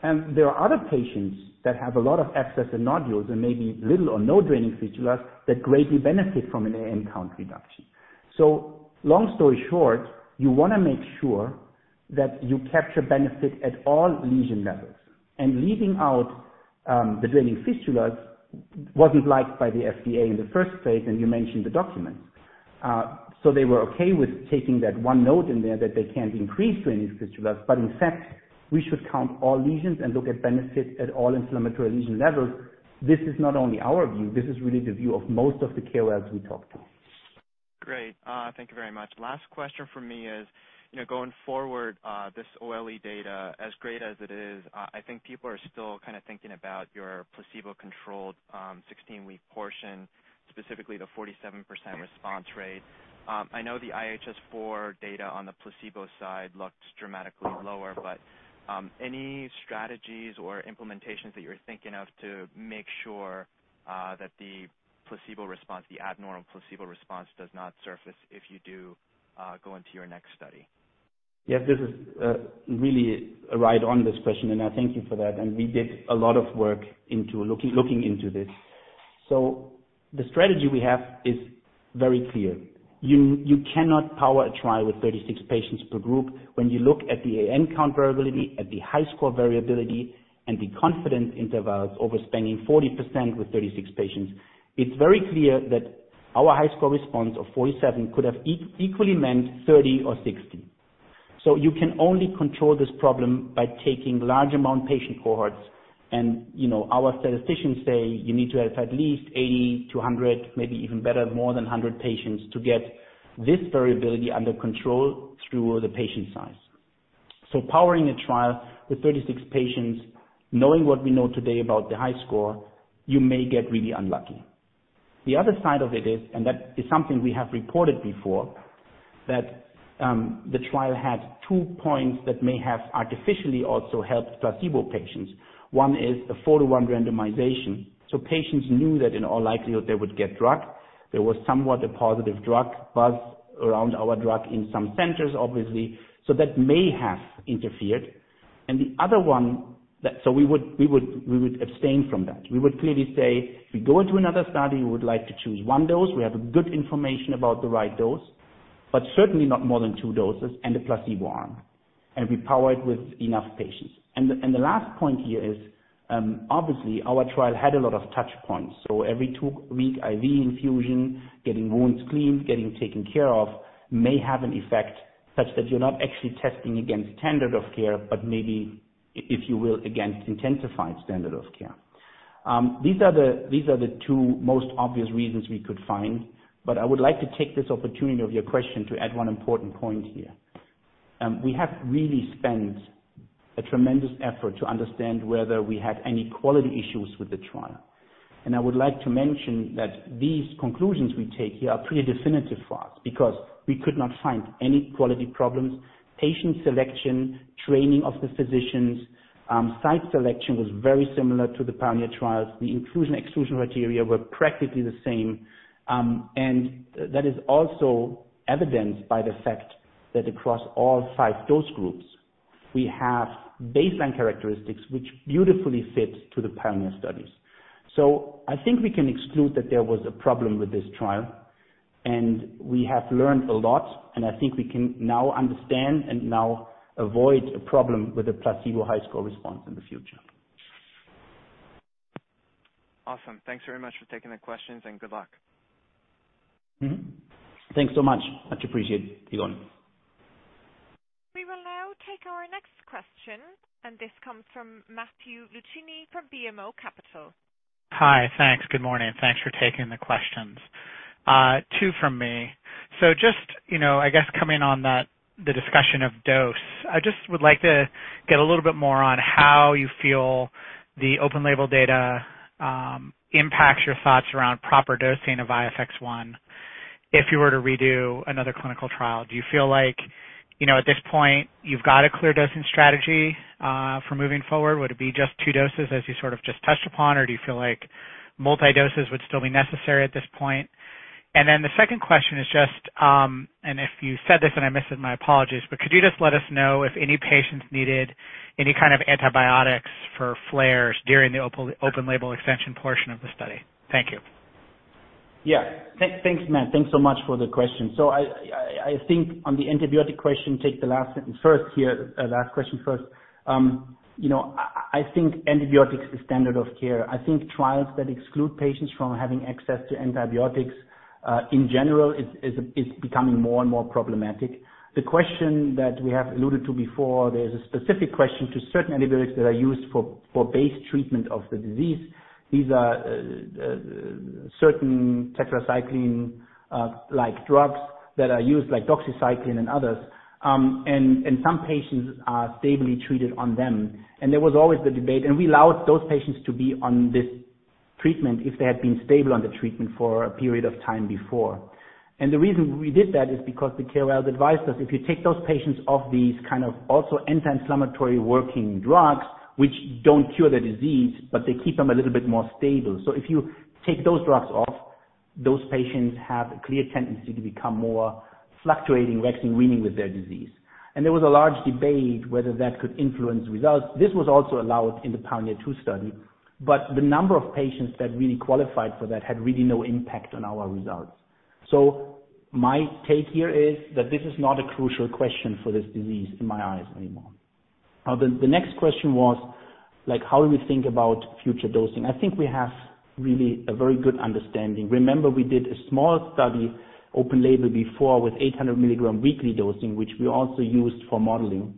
Speaker 2: There are other patients that have a lot of abscess and nodules and maybe little or no draining fistulas that greatly benefit from an AN count reduction. Long story short, you want to make sure that you capture benefit at all lesion levels, and leaving out the draining fistulas wasn't liked by the FDA in the first place, and you mentioned the documents. They were okay with taking that one note in there that they can't increase to any fistulas, but in fact, we should count all lesions and look at benefit at all inflammatory lesion levels. This is not only our view, this is really the view of most of the KOLs we talk to.
Speaker 7: Great. Thank you very much. Last question from me is, going forward, this OLE data, as great as it is, I think people are still kind of thinking about your placebo-controlled 16-week portion, specifically the 47% response rate. I know the IHS4 data on the placebo side looks dramatically lower. Any strategies or implementations that you're thinking of to make sure that the placebo response, the abnormal placebo response, does not surface if you do go into your next study?
Speaker 2: Yeah, this is really right on, this question, and I thank you for that. We did a lot of work looking into this. The strategy we have is very clear. You cannot power a trial with 36 patients per group. When you look at the AN count variability, at the HiSCR variability, and the confidence intervals over spanning 40% with 36 patients, it's very clear that our HiSCR response of 47 could have equally meant 30 or 60. You can only control this problem by taking large amount patient cohorts. Our statisticians say you need to have at least 80 to 100, maybe even better, more than 100 patients to get this variability under control through the patient size. Powering a trial with 36 patients, knowing what we know today about the HiSCR, you may get really unlucky. The other side of it is, that is something we have reported before, that the trial had two points that may have artificially also helped placebo patients. One is the 4-1 randomization. Patients knew that in all likelihood, they would get drug. There was somewhat a positive drug buzz around our drug in some centers, obviously. That may have interfered. We would abstain from that. We would clearly say, if we go into another study, we would like to choose one dose. We have good information about the right dose, but certainly not more than two doses and a placebo arm, and be powered with enough patients. The last point here is, obviously, our trial had a lot of touch points, so every two-week IV infusion, getting wounds cleaned, getting taken care of may have an effect such that you're not actually testing against standard of care, but maybe, if you will, against intensified standard of care. These are the two most obvious reasons we could find, I would like to take this opportunity of your question to add one important point here. We have really spent a tremendous effort to understand whether we had any quality issues with the trial. I would like to mention that these conclusions we take here are pretty definitive for us, because we could not find any quality problems, patient selection, training of the physicians. Site selection was very similar to the PIONEER trials. The inclusion, exclusion criteria were practically the same. That is also evidenced by the fact that across all five dose groups, we have baseline characteristics which beautifully fit to the PIONEER studies. I think we can exclude that there was a problem with this trial, and we have learned a lot, and I think we can now understand and now avoid a problem with a placebo HiSCR response in the future.
Speaker 7: Awesome. Thanks very much for taking the questions. Good luck.
Speaker 2: Thanks so much. Much appreciated, Dagon.
Speaker 4: We will now take our next question, and this comes from Matthew Luchini from BMO Capital.
Speaker 8: Hi. Thanks. Good morning. Thanks for taking the questions. Two from me. Just, I guess coming on the discussion of dose, I just would like to get a little bit more on how you feel the open-label data impacts your thoughts around proper dosing of IFX-1 if you were to redo another clinical trial. Do you feel like, at this point, you've got a clear dosing strategy for moving forward? Would it be just two doses as you sort of just touched upon, or do you feel like multi-doses would still be necessary at this point? The second question is just, if you said this and I missed it, my apologies, but could you just let us know if any patients needed any kind of antibiotics for flares during the open-label expansion portion of the study? Thank you.
Speaker 2: Thanks, Matt. Thanks so much for the question. I think on the antibiotic question, take the last sentence first here, last question first. I think antibiotics is standard of care. I think trials that exclude patients from having access to antibiotics, in general, is becoming more and more problematic. The question that we have alluded to before, there's a specific question to certain antibiotics that are used for base treatment of the disease. These are certain tetracycline-like drugs that are used like doxycycline and others. Some patients are stably treated on them. There was always the debate, and we allowed those patients to be on this treatment if they had been stable on the treatment for a period of time before. The reason we did that is because the KOLs advised us, if you take those patients off these kind of also anti-inflammatory working drugs, which don't cure the disease, but they keep them a little bit more stable. If you take those drugs off, those patients have a clear tendency to become more fluctuating, waxing and waning with their disease. There was a large debate whether that could influence results. This was also allowed in the PIONEER II study, but the number of patients that really qualified for that had really no impact on our results. My take here is that this is not a crucial question for this disease in my eyes anymore. The next question was, how do we think about future dosing? I think we have really a very good understanding. Remember, we did a small study, open label before with 800 mg weekly dosing, which we also used for modeling.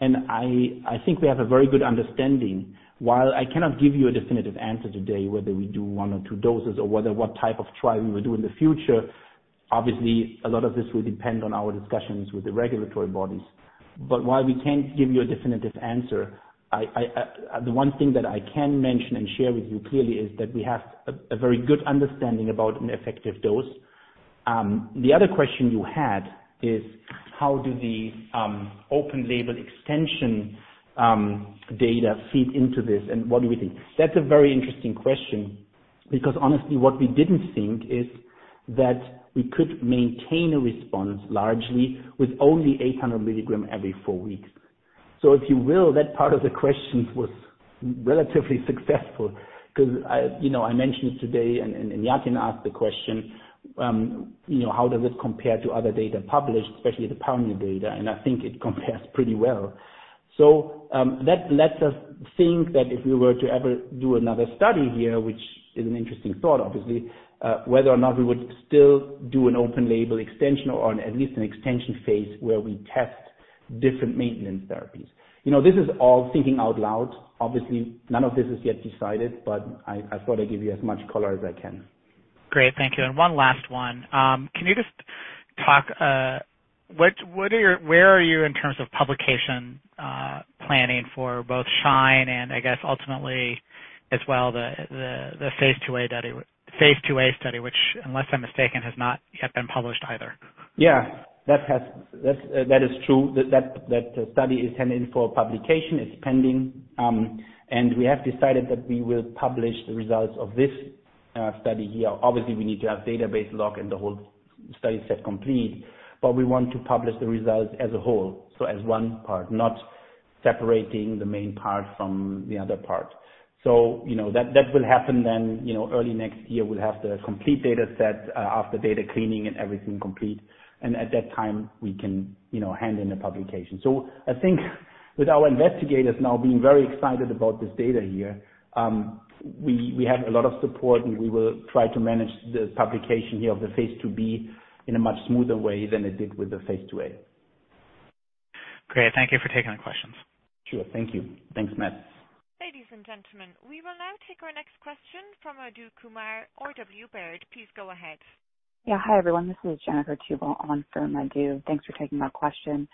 Speaker 2: I think we have a very good understanding. While I cannot give you a definitive answer today, whether we do one or two doses or what type of trial we will do in the future, obviously, a lot of this will depend on our discussions with the regulatory bodies. While we can't give you a definitive answer, the one thing that I can mention and share with you clearly is that we have a very good understanding about an effective dose. The other question you had is how does the open label extension data feed into this and what do we think? That's a very interesting question, because honestly, what we didn't think is that we could maintain a response largely with only 800 mg every four weeks. If you will, that part of the question was relatively successful because I mentioned today, and Yatin asked the question, how does this compare to other data published, especially the primary data? I think it compares pretty well. That lets us think that if we were to ever do another study here, which is an interesting thought, obviously, whether or not we would still do an open label extension or at least an extension phase where we test different maintenance therapies. This is all thinking out loud. Obviously, none of this is yet decided, but I thought I'd give you as much color as I can.
Speaker 8: Great. Thank you. One last one. Can you just talk, where are you in terms of publication planning for both SHINE and I guess ultimately as well, the Phase IIa study, which, unless I'm mistaken, has not yet been published either.
Speaker 2: Yeah, that is true. That study is heading for publication. It's pending. We have decided that we will publish the results of this study here. Obviously, we need to have database lock and the whole study set complete, but we want to publish the results as a whole. As one part, not separating the main part from the other part. That will happen then early next year. We'll have the complete data set after data cleaning and everything complete. At that time, we can hand in the publication. I think with our investigators now being very excited about this data here, we have a lot of support, and we will try to manage the publication here of the Phase IIb in a much smoother way than it did with the phase IIa.
Speaker 8: Great. Thank you for taking the questions.
Speaker 2: Sure. Thank you. Thanks, Matt.
Speaker 4: Ladies and gentlemen, we will now take our next question from Madhu Kumar of Robert W. Baird. Please go ahead.
Speaker 9: Yeah. Hi, everyone. This is Jennifer Tubal on for Madhu. Thanks for taking my question.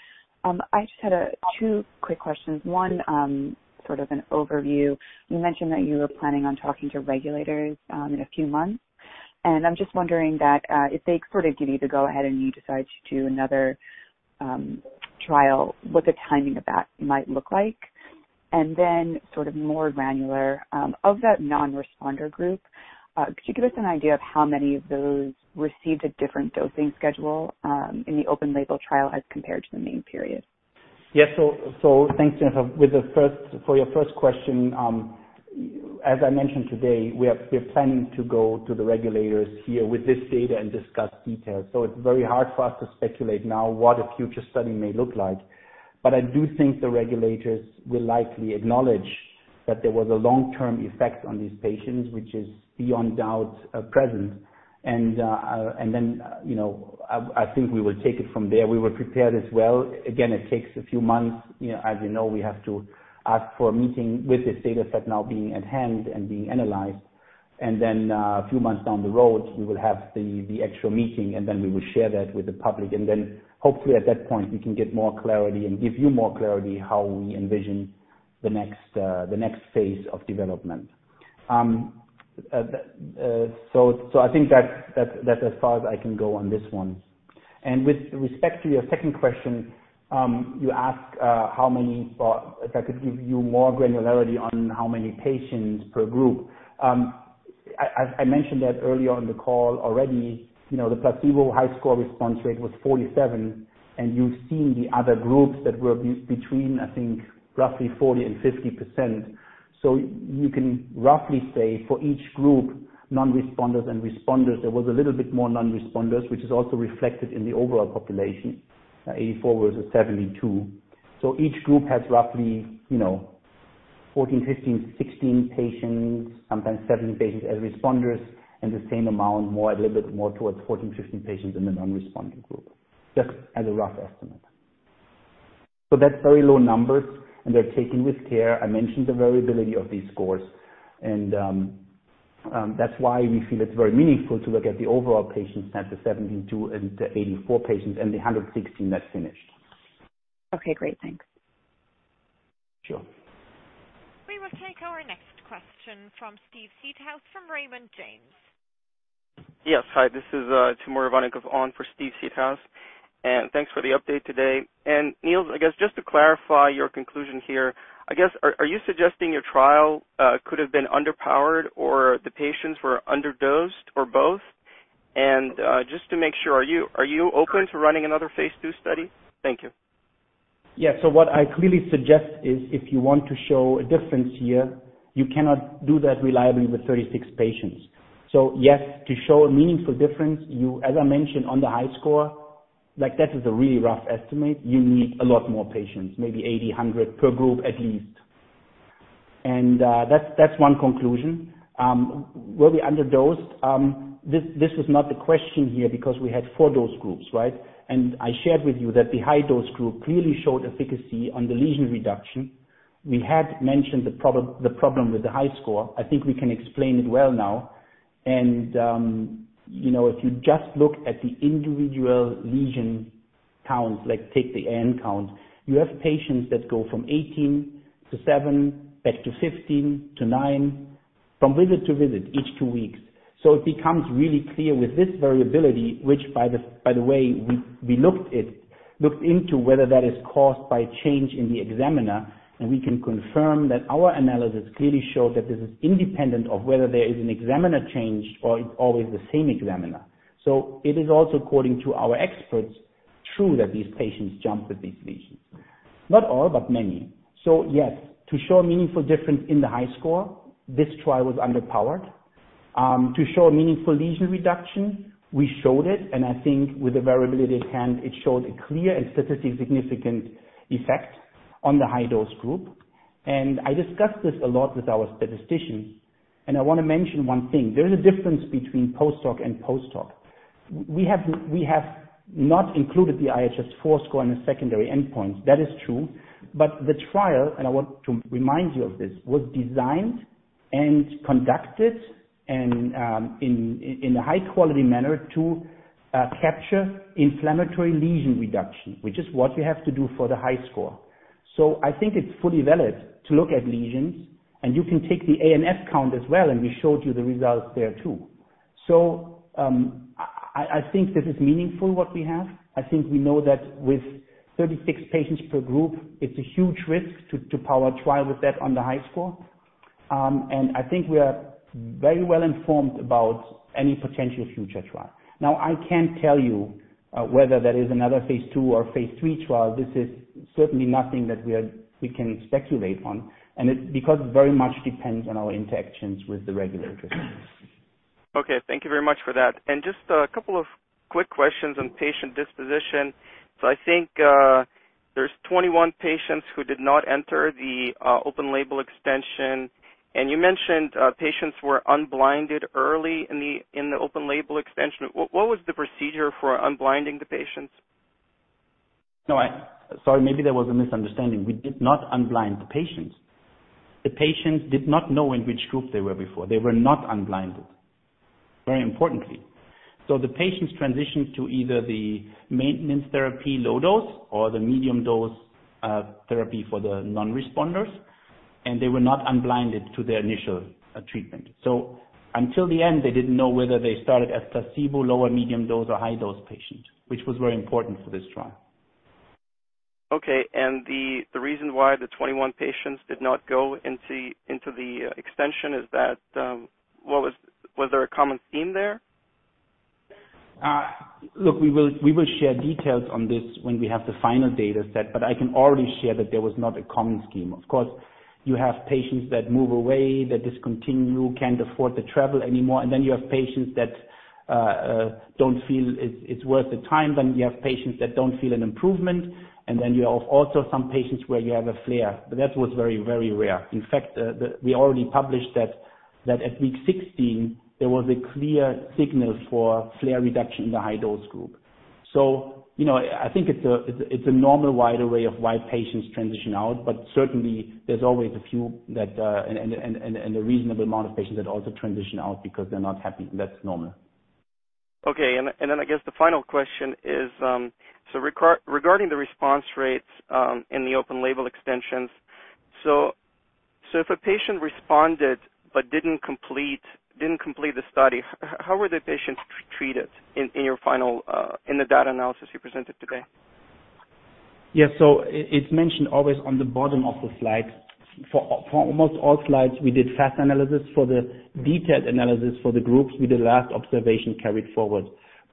Speaker 9: I just had two quick questions. One, sort of an overview. You mentioned that you were planning on talking to regulators in a few months, and I'm just wondering that if they sort of give you the go-ahead and you decide to do another trial, what the timing of that might look like. Then sort of more granular, of that non-responder group, could you give us an idea of how many of those received a different dosing schedule in the open label trial as compared to the main period?
Speaker 2: Thanks, Jennifer. For your first question, as I mentioned today, we're planning to go to the regulators here with this data and discuss details. It's very hard for us to speculate now what a future study may look like. I do think the regulators will likely acknowledge that there was a long-term effect on these patients, which is beyond doubt present. Then, I think we will take it from there. We were prepared as well. Again, it takes a few months. As you know, we have to ask for a meeting with this data set now being at hand and being analyzed. A few months down the road, we will have the actual meeting, then we will share that with the public, then hopefully at that point, we can get more clarity and give you more clarity how we envision the next phase of development. I think that's as far as I can go on this one. With respect to your second question, you ask if I could give you more granularity on how many patients per group. I mentioned that earlier on the call already, the placebo HiSCR response rate was 47, and you've seen the other groups that were between, I think, roughly 40 and 50%. You can roughly say for each group, non-responders and responders, there was a little bit more non-responders, which is also reflected in the overall population, 84 versus 72. Each group has roughly, 14, 15, 16 patients, sometimes 17 patients as responders, and the same amount, a little bit more towards 14, 15 patients in the non-responding group, just as a rough estimate. That's very low numbers, and they're taken with care. I mentioned the variability of these scores, and that's why we feel it's very meaningful to look at the overall patient set, the 72 and the 84 patients and the 116 that finished.
Speaker 9: Okay, great. Thanks.
Speaker 2: Sure.
Speaker 4: We will take our next question from Steve Seedhouse from Raymond James.
Speaker 10: Yes. Hi, this is Timur Ivannikov on for Steve Seedhouse. Thanks for the update today. Niels, I guess just to clarify your conclusion here, I guess are you suggesting your trial could have been underpowered or the patients were underdosed or both? Just to make sure, are you open to running another phase II study? Thank you.
Speaker 2: Yeah. What I clearly suggest is if you want to show a difference here, you cannot do that reliably with 36 patients. Yes, to show a meaningful difference, as I mentioned on the HiSCR, that is a really rough estimate. You need a lot more patients, maybe 80, 100 per group at least. That's one conclusion. Were we underdosed? This was not the question here because we had four dose groups, right? I shared with you that the high dose group clearly showed efficacy on the lesion reduction. We had mentioned the problem with the HiSCR. I think we can explain it well now. If you just look at the individual lesion counts, take the AN count, you have patients that go from 18 to seven, back to 15, to nine, from visit to visit, each two weeks. It becomes really clear with this variability, which by the way, we looked into whether that is caused by change in the examiner, and we can confirm that our analysis clearly showed that this is independent of whether there is an examiner change or it's always the same examiner. It is also according to our experts, true that these patients jump with these lesions. Not all, but many. Yes, to show a meaningful difference in the HiSCR, this trial was underpowered. To show a meaningful lesion reduction, we showed it, and I think with the variability at hand, it showed a clear and statistically significant effect on the high dose group. I discussed this a lot with our statistician, and I want to mention one thing. There is a difference between post-hoc and post-hoc. We have not included the IHS4 score and the secondary endpoint. That is true. The trial, and I want to remind you of this, was designed and conducted in a high-quality manner to capture inflammatory lesion reduction, which is what you have to do for the HiSCR. I think it's fully valid to look at lesions, and you can take the AN count as well, and we showed you the results there too. I think this is meaningful what we have. I think we know that with 36 patients per group, it's a huge risk to power a trial with that on the HiSCR. I think we are very well-informed about any potential future trial. Now, I can't tell you whether there is another phase II or phase III trial. This is certainly nothing that we can speculate on. It's because it very much depends on our interactions with the regulators.
Speaker 10: Okay. Thank you very much for that. Just a couple of quick questions on patient disposition. I think, there's 21 patients who did not enter the open label extension, and you mentioned patients were unblinded early in the open label extension. What was the procedure for unblinding the patients?
Speaker 2: No, sorry. Maybe there was a misunderstanding. We did not unblind the patients. The patients did not know in which group they were before. They were not unblinded, very importantly. The patients transitioned to either the maintenance therapy low dose or the medium dose therapy for the non-responders, and they were not unblinded to their initial treatment. Until the end, they didn't know whether they started as placebo, low or medium dose, or high dose patient, which was very important for this trial.
Speaker 10: Okay. The reason why the 21 patients did not go into the extension, was there a common theme there?
Speaker 2: Look, we will share details on this when we have the final data set, but I can already share that there was not a common scheme. Of course, you have patients that move away, that discontinue, can't afford to travel anymore, and then you have patients that don't feel it's worth the time. You have patients that don't feel an improvement, and then you have also some patients where you have a flare, but that was very rare. In fact, we already published that at week 16, there was a clear signal for flare reduction in the high dose group. I think it's a normal way of why patients transition out, but certainly there's always a few and a reasonable amount of patients that also transition out because they're not happy, and that's normal.
Speaker 10: Okay. I guess the final question is, regarding the response rates in the open-label extensions. If a patient responded but didn't complete the study, how were the patients treated in the data analysis you presented today?
Speaker 2: Yeah. It's mentioned always on the bottom of the slides. For almost all slides, we did fast analysis for the detailed analysis for the groups with the last observation carried forward.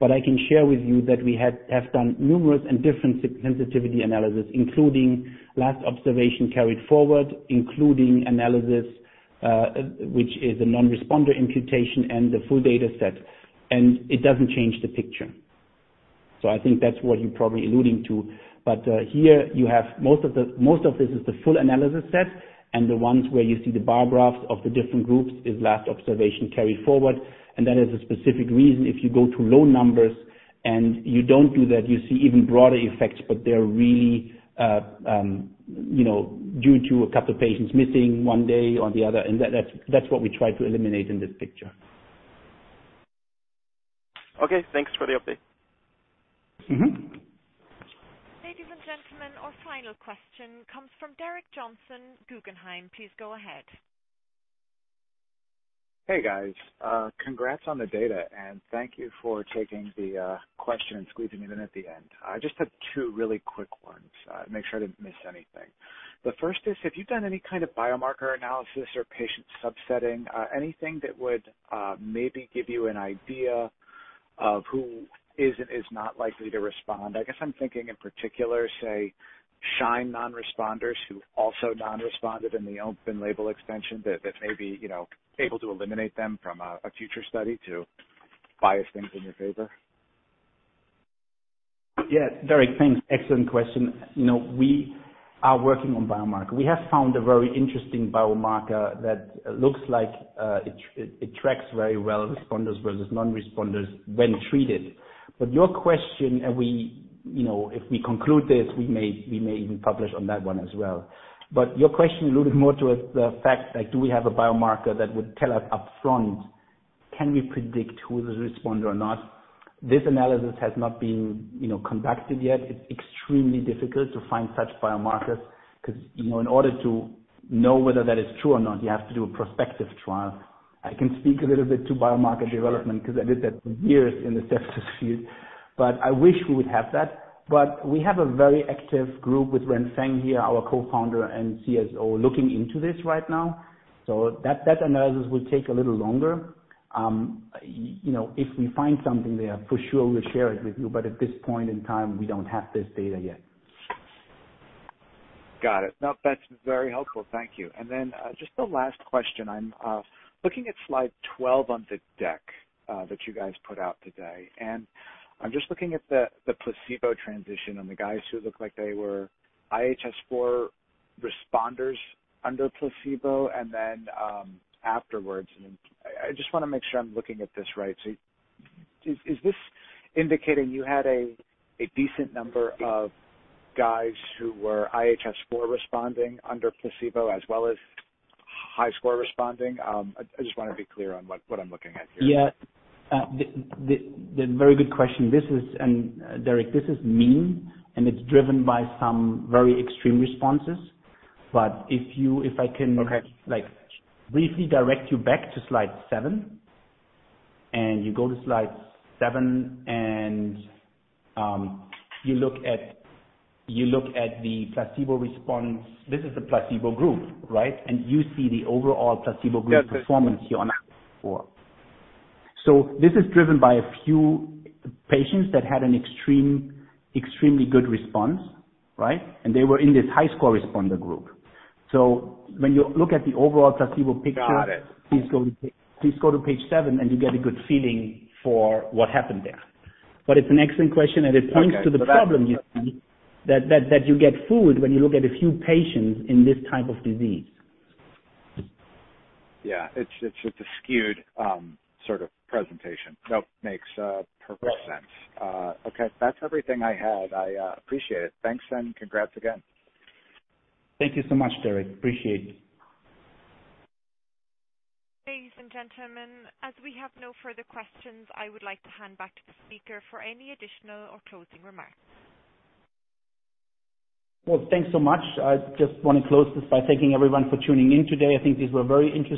Speaker 2: I can share with you that we have done numerous and different sensitivity analysis, including last observation carried forward, including analysis, which is a non-responder imputation and the full data set, and it doesn't change the picture. I think that's what you're probably alluding to. Here you have most of this is the full analysis set. The ones where you see the bar graphs of the different groups is last observation carried forward. That is a specific reason if you go to low numbers and you don't do that, you see even broader effects. They're really due to a couple patients missing one day or the other, and that's what we try to eliminate in this picture.
Speaker 10: Okay. Thanks for the update.
Speaker 4: Ladies and gentlemen, our final question comes from Derek Johnson, Guggenheim. Please go ahead.
Speaker 11: Hey, guys. Congrats on the data. Thank you for taking the question and squeezing me in at the end. I just have two really quick ones. Make sure I didn't miss anything. The first is, have you done any kind of biomarker analysis or patient subsetting? Anything that would maybe give you an idea of who is and is not likely to respond. I guess I'm thinking in particular, say, SHINE non-responders who also non-responded in the open label extension that maybe, able to eliminate them from a future study to bias things in your favor.
Speaker 2: Yeah, Derek, thanks. Excellent question. We are working on biomarker. We have found a very interesting biomarker that looks like it tracks very well responders versus non-responders when treated. Your question, and if we conclude this, we may even publish on that one as well. Your question alluded more towards the fact, do we have a biomarker that would tell us upfront, can we predict who's the responder or not? This analysis has not been conducted yet. It's extremely difficult to find such biomarkers because, in order to know whether that is true or not, you have to do a prospective trial. I can speak a little bit to biomarker development because I did that for years in the sepsis field, but I wish we would have that. We have a very active group with Renfeng Guo here, our Co-Founder and CSO, looking into this right now, so that analysis will take a little longer. If we find something there, for sure we'll share it with you, but at this point in time, we don't have this data yet.
Speaker 11: Got it. No, that's very helpful. Thank you. Then, just the last question, I'm looking at slide 12 on the deck that you guys put out today. I'm just looking at the placebo transition and the guys who look like they were IHS4 responders under placebo and then afterwards. I just want to make sure I'm looking at this right. Is this indicating you had a decent number of guys who were IHS4 responding under placebo as well as HiSCR responding? I just want to be clear on what I'm looking at here.
Speaker 2: Yeah. Very good question. Derek, this is mean, and it's driven by some very extreme responses.
Speaker 11: Okay
Speaker 2: briefly direct you back to slide seven, and you go to slide seven, and you look at the placebo response. This is the placebo group, right? You see the overall placebo group performance here on four. This is driven by a few patients that had an extremely good response, right? They were in this high score responder group. When you look at the overall placebo picture.
Speaker 11: Got it.
Speaker 2: Please go to page seven, you get a good feeling for what happened there. It's an excellent question, and it points to the problem you see, that you get fooled when you look at a few patients in this type of disease.
Speaker 11: Yeah. It's a skewed sort of presentation. Makes perfect sense.
Speaker 2: Right.
Speaker 11: Okay. That's everything I had. I appreciate it. Thanks and congrats again.
Speaker 2: Thank you so much, Derek. Appreciate it.
Speaker 4: Ladies and gentlemen, as we have no further questions, I would like to hand back to the speaker for any additional or closing remarks.
Speaker 2: Well, thanks so much. I just want to close this by thanking everyone for tuning in today. I think these were very interesting.